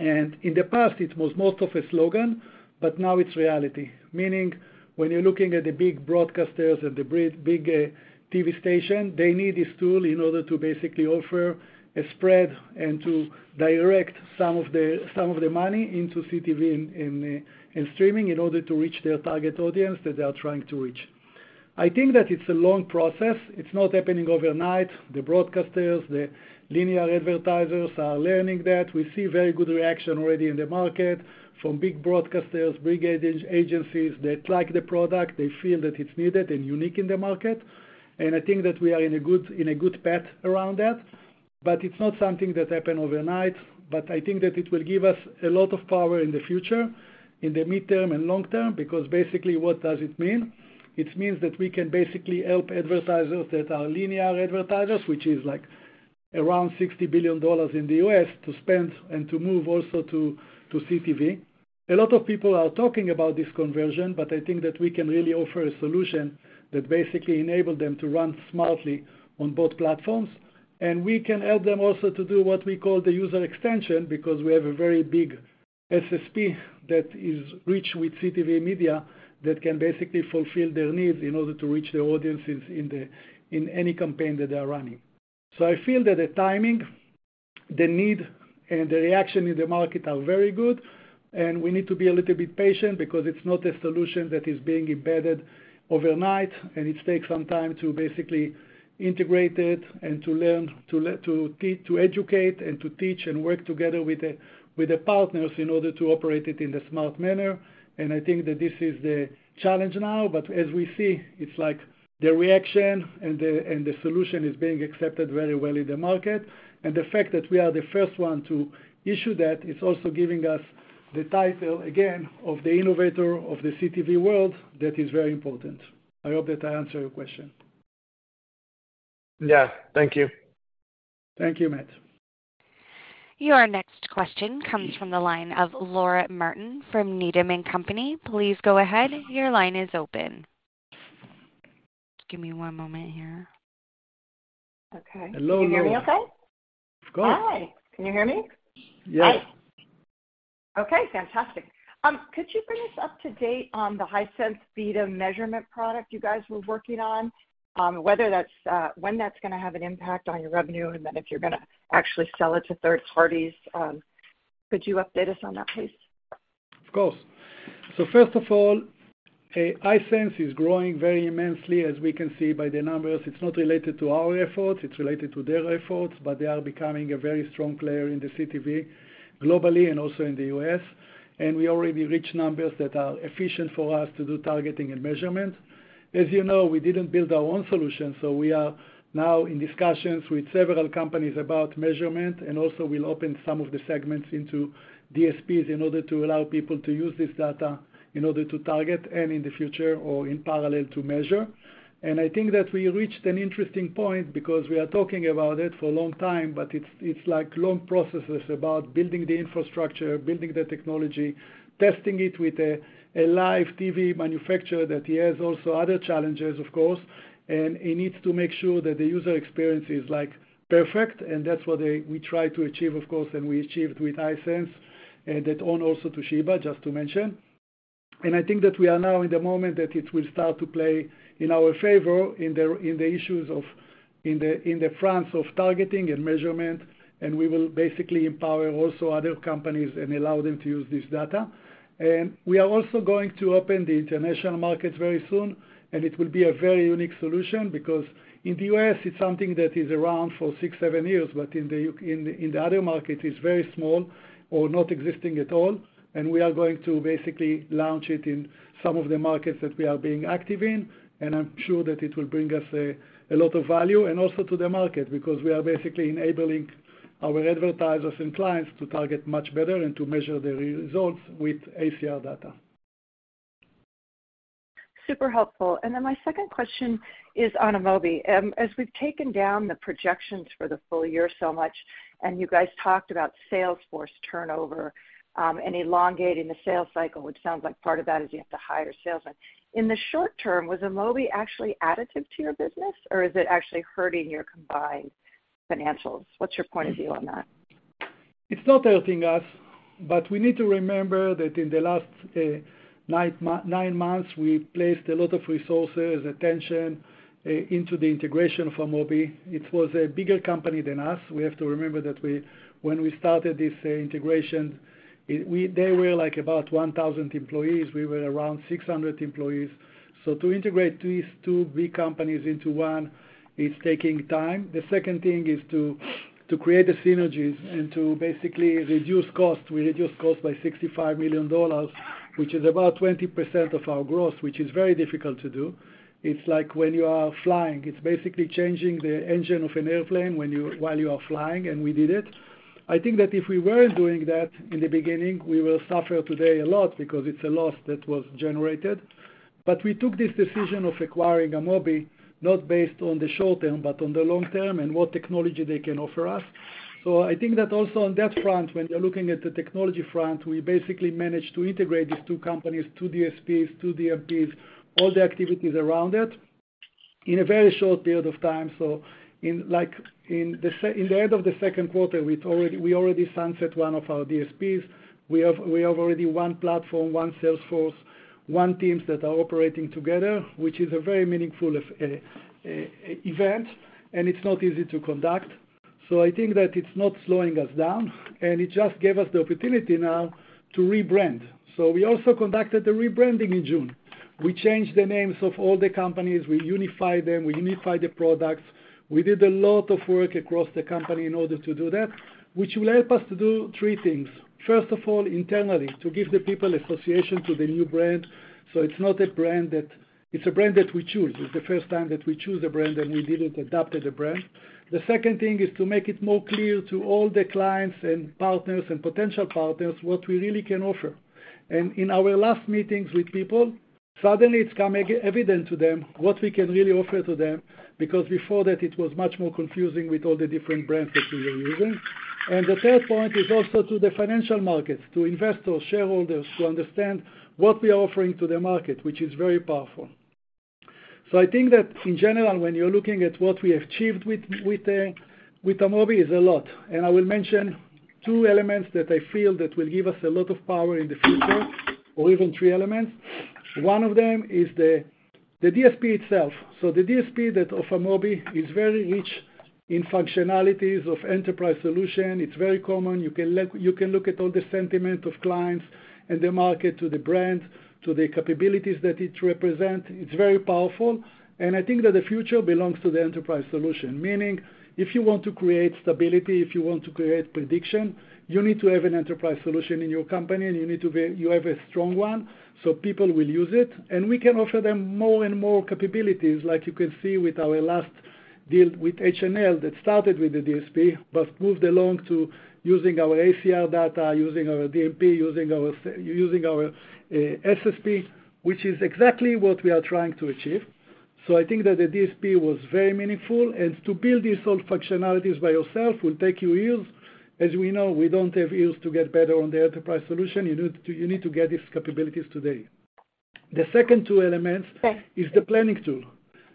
In the past, it was more of a slogan, but now it's reality. Meaning, when you're looking at the big broadcasters and the big TV station, they need this tool in order to basically offer a spread and to direct some of the, some of the money into CTV and, and, and streaming in order to reach their target audience that they are trying to reach. I think that it's a long process. It's not happening overnight. The broadcasters, the linear advertisers are learning that. We see very good reaction already in the market from big broadcasters, big agencies that like the product. They feel that it's needed and unique in the market, and I think that we are in a good, in a good path around that. It's not something that happened overnight, but I think that it will give us a lot of power in the future, in the midterm and long term, because basically, what does it mean? It means that we can basically help advertisers that are linear advertisers, which is like around $60 billion in the U.S., to spend and to move also to, to CTV. A lot of people are talking about this conversion, but I think that we can really offer a solution that basically enable them to run smartly on both platforms. We can help them also to do what we call the user extension, because we have a very big SSP that is rich with CTV media, that can basically fulfill their needs in order to reach their audiences in any campaign that they are running. I feel that the timing, the need and the reaction in the market are very good. We need to be a little bit patient because it's not a solution that is being embedded overnight. It takes some time to basically integrate it and to learn, to educate and to teach and work together with the partners in order to operate it in the smart manner. I think that this is the challenge now, but as we see, it's like the reaction and the solution is being accepted very well in the market. The fact that we are the first one to issue that, it's also giving us the title again, of the innovator of the CTV world. That is very important. I hope that I answered your question. Yeah. Thank you. Thank you, Matt. Your next question comes from the line of Laura Martin from Needham & Company. Please go ahead. Your line is open. Give me one moment here. Hello, Laura. Okay. Can you hear me okay? Of course. Hi! Can you hear me? Yes. Okay, fantastic. Could you bring us up to date on the Hisense beta measurement product you guys were working on? Whether that's, when that's gonna have an impact on your revenue, and then if you're gonna actually sell it to third parties? Could you update us on that, please? Of course. First of all, Hisense is growing very immensely, as we can see by the numbers. It's not related to our efforts, it's related to their efforts, but they are becoming a very strong player in the CTV, globally and also in the U.S. We already reached numbers that are efficient for us to do targeting and measurement. As you know, we didn't build our own solution. We are now in discussions with several companies about measurement. Also, we'll open some of the segments into DSPs in order to allow people to use this data, in order to target and in the future or in parallel to measure. I think that we reached an interesting point because we are talking about it for a long time, but it's like long processes about building the infrastructure, building the technology, testing it with a live TV manufacturer that he has also other challenges, of course, and he needs to make sure that the user experience is, like, perfect. That's what we try to achieve, of course, and we achieved with Hisense, and that own also Toshiba, just to mention. I think that we are now in the moment that it will start to play in our favor in the fronts of targeting and measurement, and we will basically empower also other companies and allow them to use this data. We are also going to open the international markets very soon, and it will be a very unique solution because. In the U.S., it's something that is around for six, seven years, but in the U.K., in the other market, it's very small or not existing at all. We are going to basically launch it in some of the markets that we are being active in. I'm sure that it will bring us a lot of value and also to the market, because we are basically enabling our advertisers and clients to target much better and to measure the results with ACR data. Super helpful. My second question is on Amobee. As we've taken down the projections for the full year so much, and you guys talked about sales force turnover, and elongating the sales cycle, which sounds like part of that is you have to hire sales. In the short term, was Amobee actually additive to your business, or is it actually hurting your combined financials? What's your point of view on that? It's not hurting us, but we need to remember that in the last nine months, we placed a lot of resources, attention into the integration for Amobee. It was a bigger company than us. We have to remember that when we started this integration, they were, like, about 1,000 employees. We were around 600 employees. To integrate these two big companies into one, it's taking time. The second thing is to, to create the synergies and to basically reduce costs. We reduced costs by $65 million, which is about 20% of our growth, which is very difficult to do. It's like when you are flying, it's basically changing the engine of an airplane while you are flying, and we did it. I think that if we weren't doing that in the beginning, we will suffer today a lot because it's a loss that was generated. We took this decision of acquiring Amobee, not based on the short term, but on the long term and what technology they can offer us. I think that also on that front, when you're looking at the technology front, we basically managed to integrate these two companies, two DSPs, two DMPs, all the activities around it in a very short period of time. In, like, in the end of the second quarter, we already sunset one of our DSPs. We have, we have already one platform, one sales force, one teams that are operating together, which is a very meaningful event, and it's not easy to conduct. I think that it's not slowing us down, and it just gave us the opportunity now to rebrand. We also conducted the rebranding in June. We changed the names of all the companies, we unified them, we unified the products. We did a lot of work across the company in order to do that, which will help us to do three things. First of all, internally, to give the people association to the new brand, so it's not a brand that. It's a brand that we choose. It's the first time that we choose a brand, and we didn't adopted a brand. The second thing is to make it more clear to all the clients and partners and potential partners, what we really can offer. In our last meetings with people, suddenly it's become evident to them what we can really offer to them, because before that, it was much more confusing with all the different brands that we were using. The third point is also to the financial markets, to investors, shareholders, to understand what we are offering to the market, which is very powerful. I think that in general, when you're looking at what we achieved with, with Amobee, is a lot. I will mention two elements that I feel that will give us a lot of power in the future, or even three elements. One of them is the, the DSP itself. The DSP that of Amobee is very rich in functionalities of enterprise solution. It's very common. You can look, you can look at all the sentiment of clients and the market, to the brands, to the capabilities that it represent. It's very powerful, and I think that the future belongs to the enterprise solution, meaning if you want to create stability, if you want to create prediction, you need to have an enterprise solution in your company, you have a strong one, so people will use it. We can offer them more and more capabilities, like you can see with our last deal with H&M, that started with the DSP, but moved along to using our ACR data, using our DMP, using our, using our SSP, which is exactly what we are trying to achieve. I think that the DSP was very meaningful, and to build these whole functionalities by yourself will take you years. As we know, we don't have years to get better on the enterprise solution. You need to, you need to get these capabilities today. The second two elements- Yes.... is the planning tool.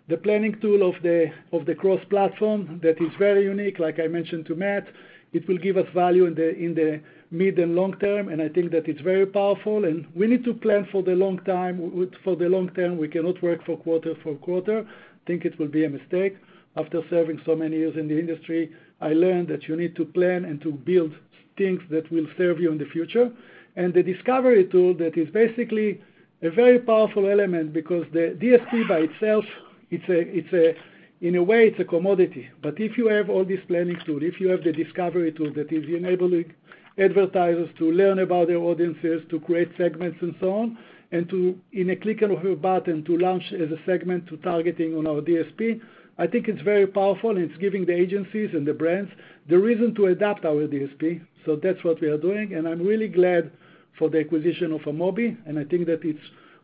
The planning tool of the cross-platform that is very unique, like I mentioned to Matt. It will give us value in the mid and long term, and I think that it's very powerful, and we need to plan for the long time, for the long term. We cannot work for quarter, for quarter. I think it will be a mistake. After serving so many years in the industry, I learned that you need to plan and to build things that will serve you in the future. The discovery tool, that is basically a very powerful element because the DSP by itself, it's a in a way, it's a commodity. If you have all this planning tool, if you have the discovery tool, that is enabling advertisers to learn about their audiences, to create segments and so on, and to, in a click of a button, to launch as a segment to targeting on our DSP, I think it's very powerful, and it's giving the agencies and the brands the reason to adopt our DSP. That's what we are doing, and I'm really glad for the acquisition of Amobee, and I think that it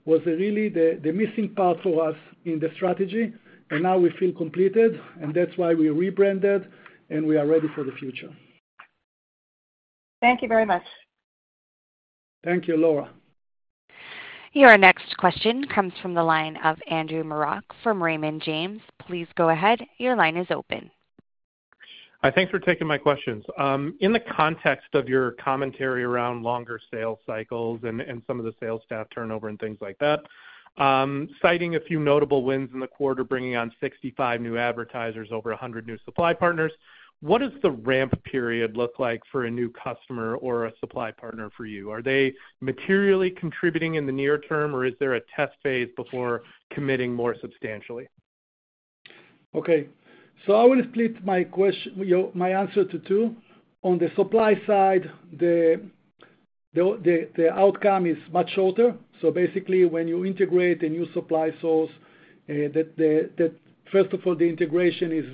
was really the missing part for us in the strategy, and now we feel completed, and that's why we rebranded, and we are ready for the future. Thank you very much. Thank you, Laura. Your next question comes from the line of Andrew Marok from Raymond James. Please go ahead. Your line is open. Hi, thanks for taking my questions. In the context of your commentary around longer sales cycles and some of the sales staff turnover and things like that, citing a few notable wins in the quarter, bringing on 65 new advertisers, over 100 new supply partners, what does the ramp period look like for a new customer or a supply partner for you? Are they materially contributing in the near term, or is there a test phase before committing more substantially? Okay, I will split my answer to two. On the supply side, the outcome is much shorter. Basically, when you integrate a new supply source, that first of all, the integration is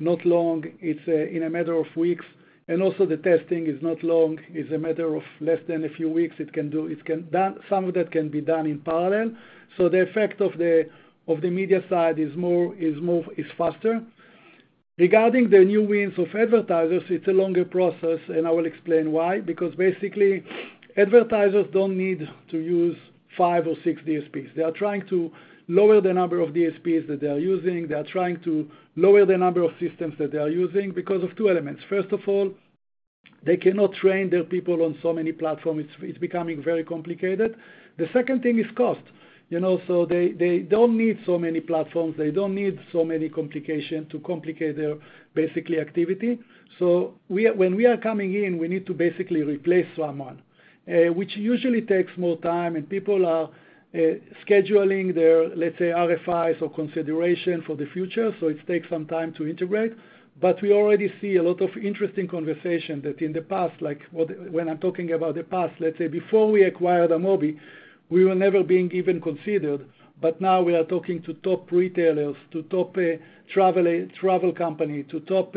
not long, it's in a matter of weeks, and also the testing is not long. It's a matter of less than a few weeks. It can done, some of that can be done in parallel. The effect of the media side is faster. Regarding the new wins of advertisers, it's a longer process, and I will explain why. Basically, advertisers don't need to use five or six DSPs. They are trying to lower the number of DSPs that they are using. They are trying to lower the number of systems that they are using because of two elements. First of all, they cannot train their people on so many platforms. It's becoming very complicated. The second thing is cost. You know, they don't need so many platforms, they don't need so many complications to complicate their, basically, activity. When we are coming in, we need to basically replace someone, which usually takes more time, and people are scheduling their, let's say, RFIs or consideration for the future, so it takes some time to integrate. We already see a lot of interesting conversations that in the past, like what, when I'm talking about the past, let's say before we acquired Amobee, we were never being even considered, but now we are talking to top retailers, to top travel, travel company, to top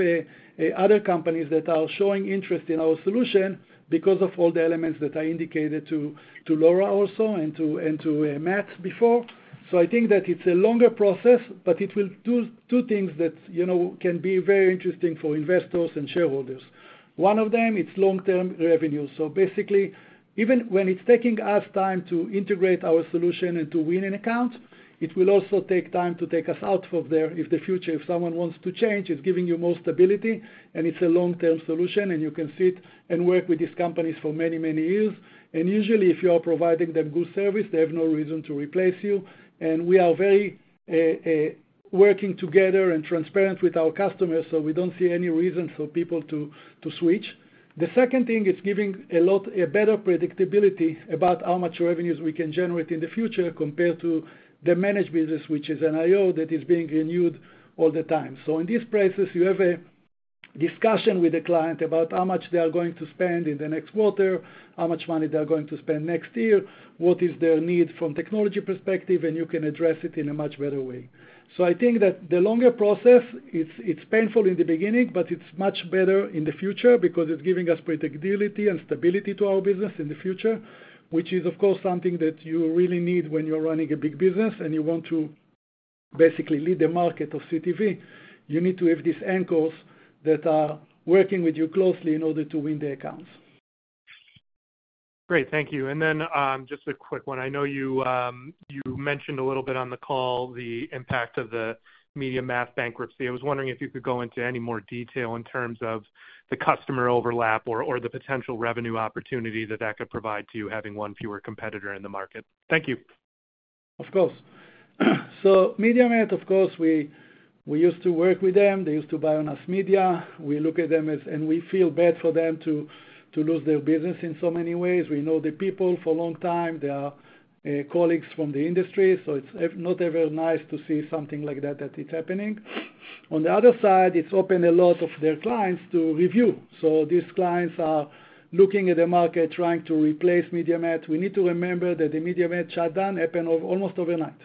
other companies that are showing interest in our solution because of all the elements that I indicated to Laura also, and to Matt before. I think that it's a longer process, but it will do two things that, you know, can be very interesting for investors and shareholders. One of them, it's long-term revenue. Basically, even when it's taking us time to integrate our solution and to win an account, it will also take time to take us out of there. If the future, if someone wants to change, it's giving you more stability, and it's a long-term solution, and you can sit and work with these companies for many, many years. Usually, if you are providing them good service, they have no reason to replace you. We are very working together and transparent with our customers, so we don't see any reason for people to, to switch. The second thing, it's giving a lot, a better predictability about how much revenues we can generate in the future compared to the managed business, which is an IO that is being renewed all the time. In this process, you have a discussion with the client about how much they are going to spend in the next quarter, how much money they are going to spend next year, what is their need from technology perspective, and you can address it in a much better way. I think that the longer process, it's painful in the beginning, but it's much better in the future because it's giving us predictability and stability to our business in the future, which is, of course, something that you really need when you're running a big business and you want to basically lead the market of CTV. You need to have these anchors that are working with you closely in order to win the accounts. Great, thank you. Just a quick one. I know you, you mentioned a little bit on the call the impact of the MediaMath bankruptcy. I was wondering if you could go into any more detail in terms of the customer overlap or, or the potential revenue opportunity that could provide to you, having one fewer competitor in the market. Thank you. Of course. MediaMath, of course, we, we used to work with them. They used to buy on us media. We look at them as, and we feel bad for them to, to lose their business in so many ways. We know the people for a long time. They are colleagues from the industry, so it's not ever nice to see something like that, that it's happening. The other side, it's opened a lot of their clients to review. These clients are looking at the market, trying to replace MediaMath. We need to remember that the MediaMath shutdown happened over, almost overnight.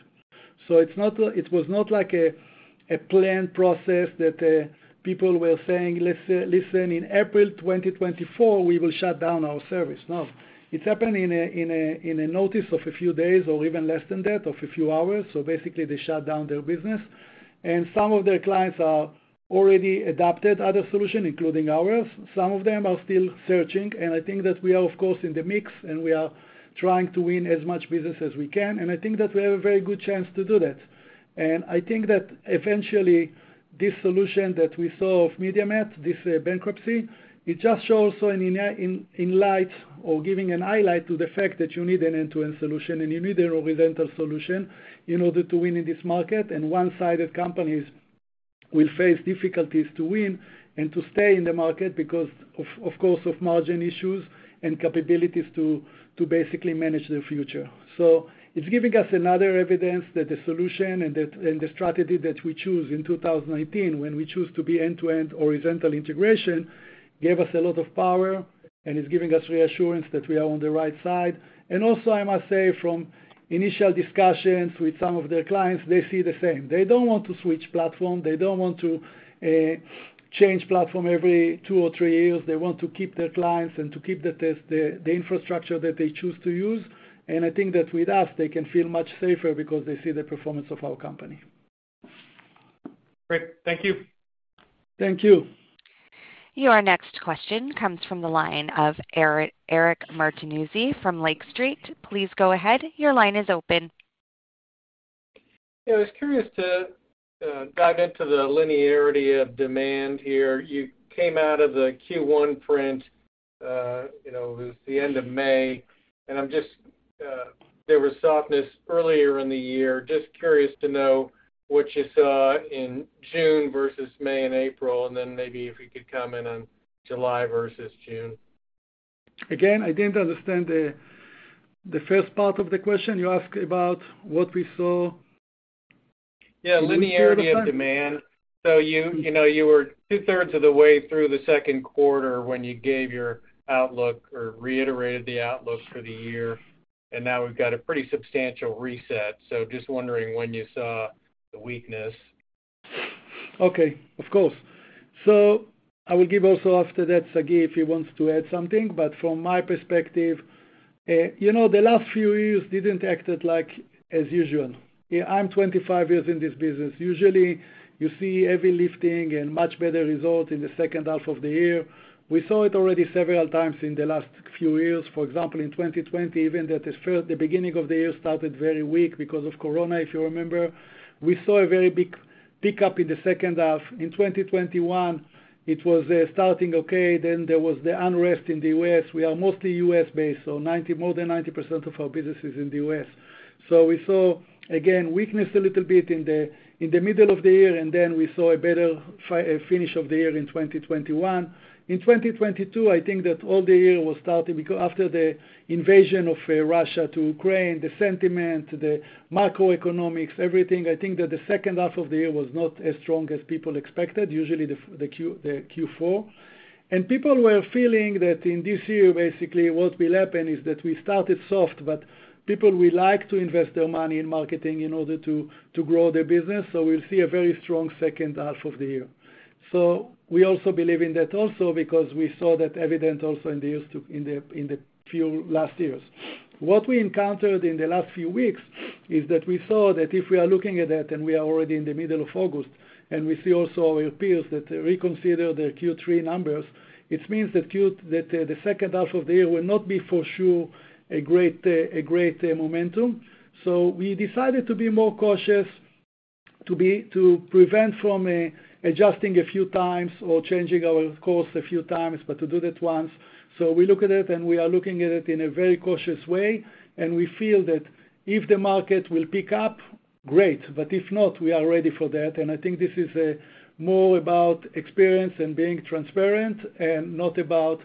It's not like, it was not like a, a planned process that people were saying, "Let's listen, in April 2024, we will shut down our service." No. It happened in a, in a, in a notice of a few days, or even less than that, of a few hours, so basically, they shut down their business. Some of their clients are already adopted other solution, including ours. Some of them are still searching, I think that we are, of course, in the mix, we are trying to win as much business as we can, I think that we have a very good chance to do that. I think that eventually, this solution that we saw of MediaMath, this bankruptcy, it just shows so in a, in, in light or giving an highlight to the fact that you need an end-to-end solution, and you need a horizontal solution in order to win in this market. One-sided companies will face difficulties to win and to stay in the market because of, of course, of margin issues and capabilities to, to basically manage the future. It's giving us another evidence that the solution and the, and the strategy that we choose in 2018, when we choose to be end-to-end horizontal integration, gave us a lot of power and is giving us reassurance that we are on the right side. Also, I must say, from initial discussions with some of their clients, they see the same. They don't want to switch platform, they don't want to change platform every two or three years. They want to keep their clients and to keep the test, the, the infrastructure that they choose to use, and I think that with us, they can feel much safer because they see the performance of our company. Great. Thank you. Thank you. Your next question comes from the line of Eric, Eric Martinuzzi from Lake Street. Please go ahead. Your line is open. Yeah, I was curious to dive into the linearity of demand here. You came out of the Q1 print, you know, it was the end of May, and I'm just, there was softness earlier in the year. Just curious to know what you saw in June versus May and April, and then maybe if you could comment on July versus June? I didn't understand the first part of the question. You asked about what we saw? Yeah, linearity of demand. You, you know, you were 2/3 of the way through the second quarter when you gave your outlook or reiterated the outlook for the year, and now we've got a pretty substantial reset. Just wondering when you saw the weakness? Okay, of course. I will give also after that, Sagi, if he wants to add something, but from my perspective, you know, the last few years didn't acted like as usual. I'm 25 years in this business. Usually, you see heavy lifting and much better results in the second half of the year. We saw it already several times in the last few years. For example, in 2020, even that is true, at the beginning of the year started very weak because of Corona, if you remember. We saw a very big pickup in the second half. In 2021, it was starting okay, then there was the unrest in the U.S. We are mostly U.S.-based, 90%, more than 90% of our business is in the U.S. We saw, again, weakness a little bit in the middle of the year, and then we saw a better finish of the year in 2021. In 2022, I think that all the year was starting because after the invasion of Russia to Ukraine, the sentiment, the macroeconomics, everything, I think that the second half of the year was not as strong as people expected, usually the Q4. People were feeling that in this year, basically, what will happen is that we started soft, but people will like to invest their money in marketing in order to grow their business. We'll see a very strong second half of the year. We also believe in that also because we saw that evident also in the few last years. What we encountered in the last few weeks is that we saw that if we are looking at that, and we are already in the middle of August, and we see also our peers that reconsider their Q3 numbers, it means that that, the second half of the year will not be for sure, a great, a great, momentum. We decided to be more cautious, to prevent from adjusting a few times or changing our course a few times but to do that once. We look at it, and we are looking at it in a very cautious way, and we feel that if the market will pick up, great, but if not, we are ready for that. I think this is more about experience and being transparent, and not about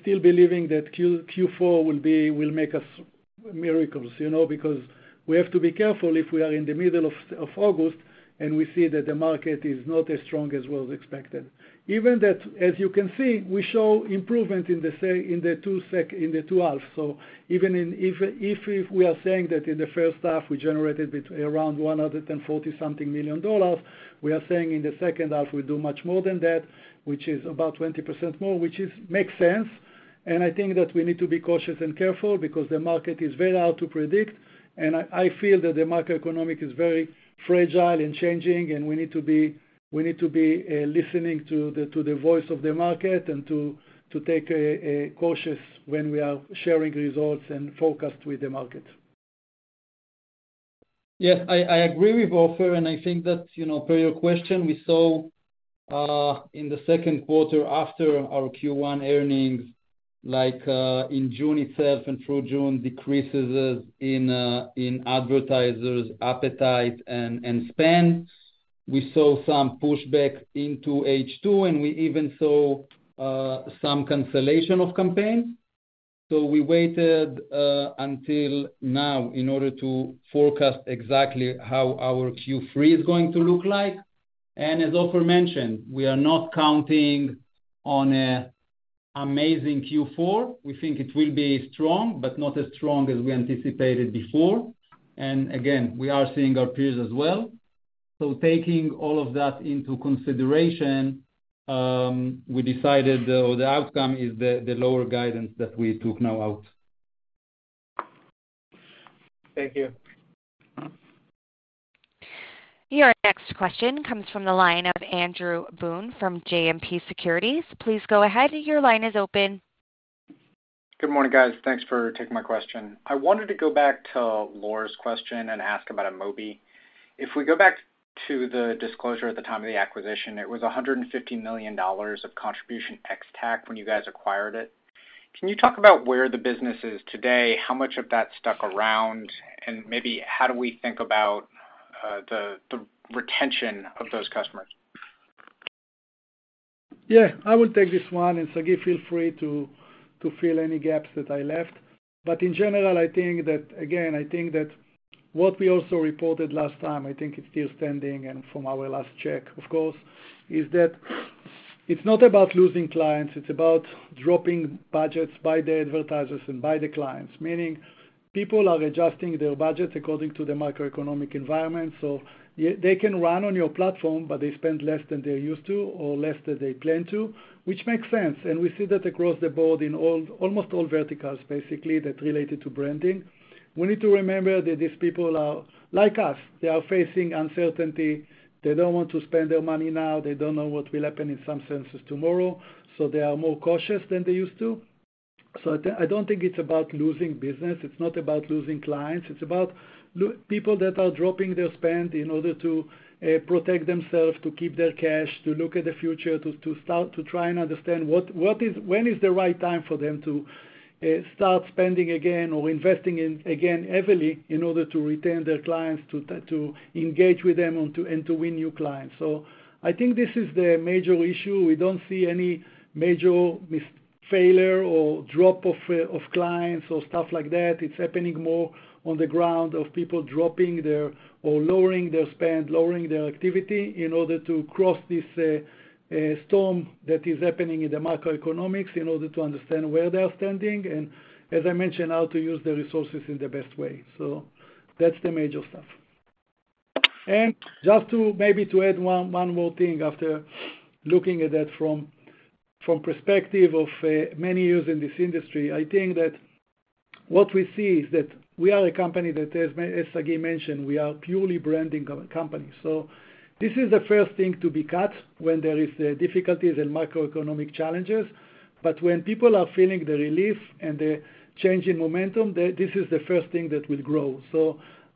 still believing that Q4 will be, will make us miracles, you know, because we have to be careful if we are in the middle of August, and we see that the market is not as strong as was expected. Even that, as you can see, we show improvement in the two halves. Even if we are saying that in the first half, we generated between around $140 something million, we are saying in the second half, we do much more than that, which is about 20% more, which is, makes sense. I think that we need to be cautious and careful because the market is very hard to predict, and I, I feel that the macroeconomic is very fragile and changing, and we need to be, we need to be listening to the, to the voice of the market and to, to take, a cautious when we are sharing results and forecast with the market. Yes, I, I agree with Ofer, and I think that, you know, per your question, we saw in the second quarter after our Q1 earnings, like, in June itself and through June, decreases in in advertisers' appetite and, and spend. We saw some pushback into H2, and we even saw some cancellation of campaigns. We waited until now in order to forecast exactly how our Q3 is going to look like. As Ofer mentioned, we are not counting on a amazing Q4. We think it will be strong, but not as strong as we anticipated before. Again, we are seeing our peers as well. Taking all of that into consideration, we decided, or the outcome is the, the lower guidance that we took now out. Thank you. Your next question comes from the line of Andrew Boone from JMP Securities. Please go ahead. Your line is open. Good morning, guys. Thanks for taking my question. I wanted to go back to Laura's question and ask about Amobee. If we go back to the disclosure at the time of the acquisition, it was $150 million of contribution ex-TAC when you guys acquired it. Can you talk about where the business is today? How much of that stuck around, and maybe how do we think about the, the retention of those customers? Yeah, I will take this one, and, Sagi, feel free to fill any gaps that I left. In general, I think that, again, I think that what we also reported last time, I think it's still standing, and from our last check, of course, is that it's not about losing clients, it's about dropping budgets by the advertisers and by the clients. Meaning, people are adjusting their budgets according to the macroeconomic environment. They can run on your platform, but they spend less than they used to or less than they planned to, which makes sense, and we see that across the board in all, almost all verticals, basically, that related to branding. We need to remember that these people are like us. They are facing uncertainty, they don't want to spend their money now, they don't know what will happen in some senses tomorrow, they are more cautious than they used to. I, I don't think it's about losing business. It's not about losing clients. It's about people that are dropping their spend in order to protect themselves, to keep their cash, to look at the future, to start to try and understand what, when is the right time for them to start spending again or investing in, again, heavily in order to retain their clients, to engage with them, and to win new clients. I think this is the major issue. We don't see any major failure or drop of clients or stuff like that. It's happening more on the ground of people dropping their or lowering their spend, lowering their activity in order to cross this storm that is happening in the macroeconomics, in order to understand where they are standing, and as I mentioned, how to use their resources in the best way. That's the major stuff. Just to, maybe to add one more thing after looking at that from perspective of many years in this industry, I think that what we see is that we are a company that, as Sagi mentioned, we are purely branding company. This is the first thing to be cut when there is difficulties and macroeconomic challenges. When people are feeling the relief and the change in momentum, this is the first thing that will grow.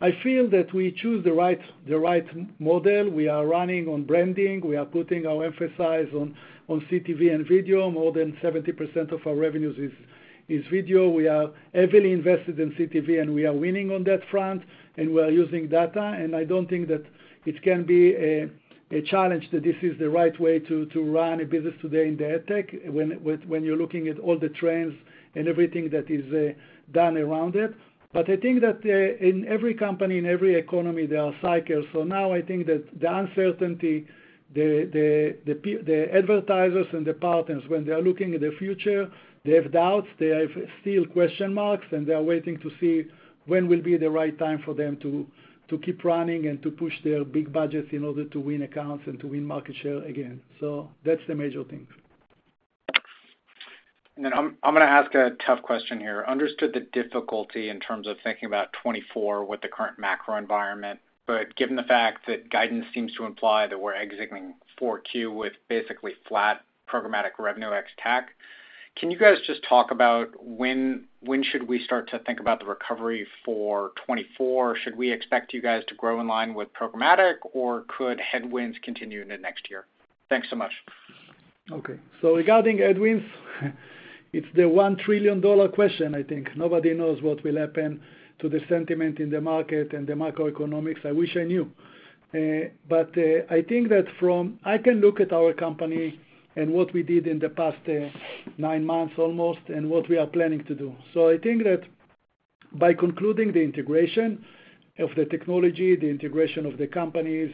I feel that we choose the right, the right model. We are running on branding. We are putting our emphasis on, on CTV and video. More than 70% of our revenues is, is video. We are heavily invested in CTV, and we are winning on that front, and we are using data. I don't think that it can be a, a challenge, that this is the right way to, to run a business today in the ad tech, when, when, when you're looking at all the trends and everything that is done around it. I think that in every company, in every economy, there are cycles. Now I think that the uncertainty, the advertisers and the partners, when they are looking at the future, they have doubts, they have still question marks, and they are waiting to see when will be the right time for them to, to keep running and to push their big budgets in order to win accounts and to win market share again. That's the major things. Then I'm gonna ask a tough question here. Understood the difficulty in terms of thinking about 2024 with the current macro environment, given the fact that guidance seems to imply that we're exiting Q4 with basically flat programmatic revenue ex-TAC, can you guys just talk about when, when should we start to think about the recovery for 2024? Should we expect you guys to grow in line with programmatic, or could headwinds continue into next year? Thanks so much. Okay. Regarding headwinds, it's the $1 trillion question I think. Nobody knows what will happen to the sentiment in the market and the macroeconomics. I wish I knew. But I think that I can look at our company and what we did in the past nine months almost, and what we are planning to do. I think that by concluding the integration of the technology, the integration of the companies,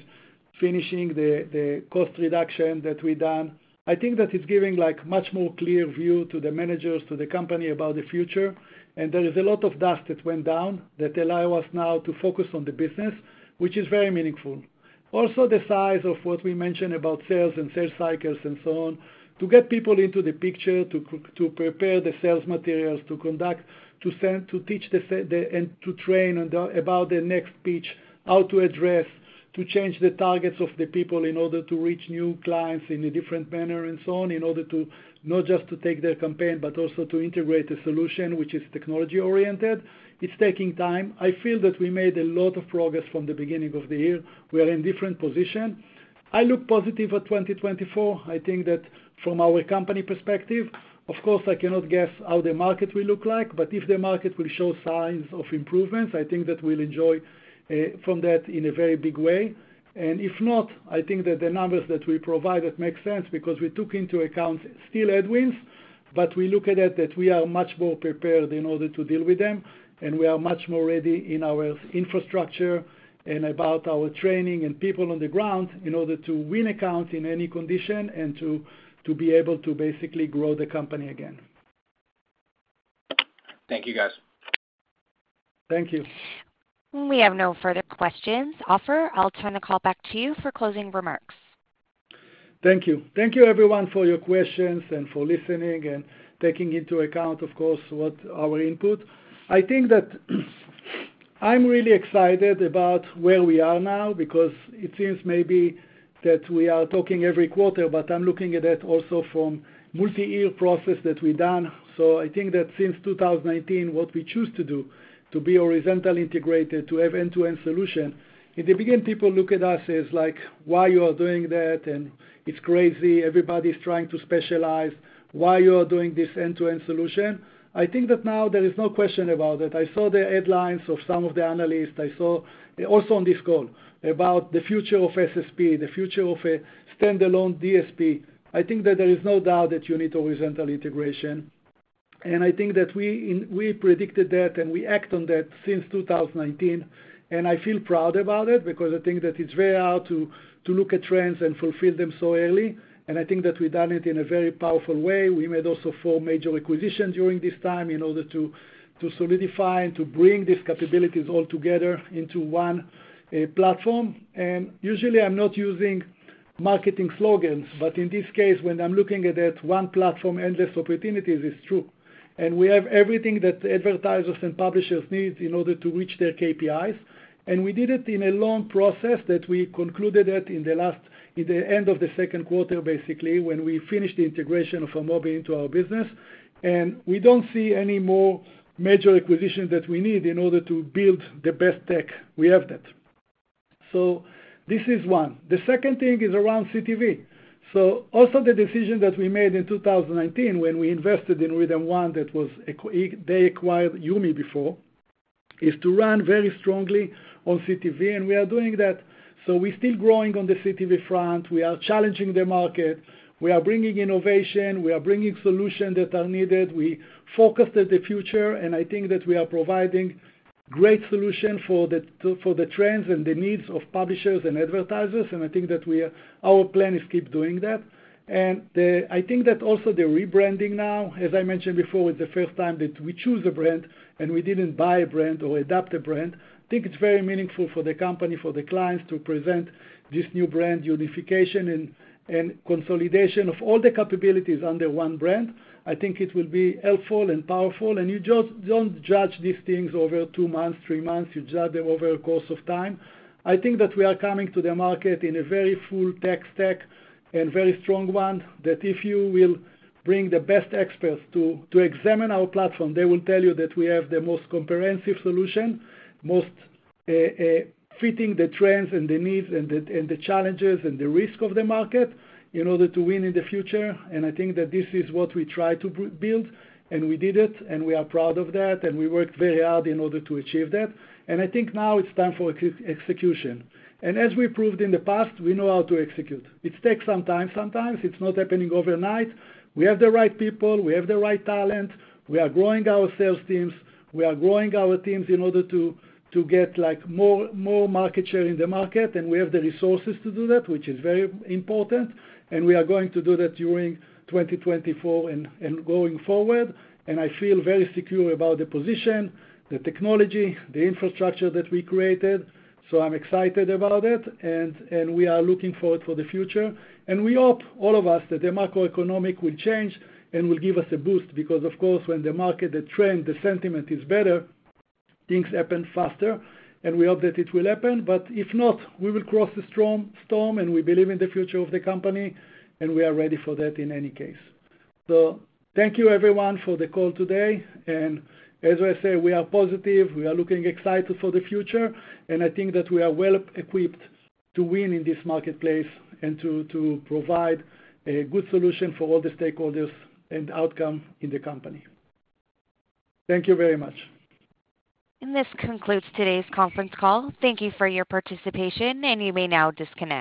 finishing the cost reduction that we've done, I think that it's giving, like, much more clear view to the managers, to the company about the future. There is a lot of dust that went down that allow us now to focus on the business, which is very meaningful. The size of what we mentioned about sales and sales cycles and so on, to get people into the picture, to prepare the sales materials, to conduct, to send, to teach the and to train on the, about the next pitch, how to address, to change the targets of the people in order to reach new clients in a different manner and so on, in order to not just to take their campaign, but also to integrate a solution which is technology-oriented. It's taking time. I feel that we made a lot of progress from the beginning of the year. We are in different position. I look positive at 2024. I think that from our company perspective, of course, I cannot guess how the market will look like, but if the market will show signs of improvements, I think that we'll enjoy from that in a very big way. If not, I think that the numbers that we provided make sense because we took into account still headwinds, but we look at it that we are much more prepared in order to deal with them, and we are much more ready in our infrastructure and about our training and people on the ground in order to win accounts in any condition and to be able to basically grow the company again. Thank you, guys. Thank you. We have no further questions. Ofer, I'll turn the call back to you for closing remarks. Thank you. Thank you everyone for your questions and for listening and taking into account, of course, what our input. I think that I'm really excited about where we are now, because it seems maybe that we are talking every quarter, but I'm looking at it also from multi-year process that we've done. I think that since 2019, what we choose to do, to be horizontally integrated, to have end-to-end solution, in the beginning, people look at us as, like, "Why you are doing that?" And, "It's crazy. Everybody's trying to specialize. Why you are doing this end-to-end solution?" I think that now there is no question about it. I saw the headlines of some of the analysts. I saw also on this call, about the future of SSP, the future of a standalone DSP. I think that there is no doubt that you need horizontal integration, and I think that we predicted that, and we act on that since 2019. I feel proud about it because I think that it's very hard to, to look at trends and fulfill them so early, and I think that we've done it in a very powerful way. We made also four major acquisitions during this time in order to, to solidify and to bring these capabilities all together into one platform. Usually, I'm not using marketing slogans, but in this case, when I'm looking at it, one platform, endless opportunities, is true. We have everything that advertisers and publishers need in order to reach their KPIs. We did it in a long process that we concluded it in the end of the second quarter, basically, when we finished the integration of Amobee into our business. We don't see any more major acquisitions that we need in order to build the best tech. We have that. This is one. The second thing is around CTV. Also the decision that we made in 2019 when we invested in RhythmOne, that was they acquired YuMe before, is to run very strongly on CTV, and we are doing that. We're still growing on the CTV front. We are challenging the market. We are bringing innovation, we are bringing solutions that are needed. We focused at the future, and I think that we are providing great solution for the trends and the needs of publishers and advertisers. I think that we are our plan is keep doing that. I think that also the rebranding now, as I mentioned before, it's the first time that we choose a brand and we didn't buy a brand or adopt a brand. I think it's very meaningful for the company, for the clients, to present this new brand, unification and consolidation of all the capabilities under one brand. I think it will be helpful and powerful. You just don't judge these things over two months, three months, you judge them over a course of time. I think that we are coming to the market in a very full tech stack and very strong one, that if you will bring the best experts to, to examine our platform, they will tell you that we have the most comprehensive solution, most fitting the trends and the needs and the challenges and the risk of the market, in order to win in the future. I think that this is what we try to build, and we did it, and we are proud of that, and we worked very hard in order to achieve that. I think now it's time for execution. As we proved in the past, we know how to execute. It takes some time, sometimes. It's not happening overnight. We have the right people, we have the right talent. We are growing our sales teams. We are growing our teams in order to get, like, more, more market share in the market. We have the resources to do that, which is very important. We are going to do that during 2024 and going forward. I feel very secure about the position, the technology, the infrastructure that we created, so I'm excited about it and we are looking forward for the future. We hope, all of us, that the macroeconomic will change and will give us a boost, because, of course, when the market, the trend, the sentiment is better, things happen faster, and we hope that it will happen. If not, we will cross the storm. We believe in the future of the company. We are ready for that in any case. Thank you, everyone, for the call today, and as I say, we are positive. We are looking excited for the future, and I think that we are well equipped to win in this marketplace and to provide a good solution for all the stakeholders and outcome in the company. Thank you very much. This concludes today's conference call. Thank you for your participation, and you may now disconnect.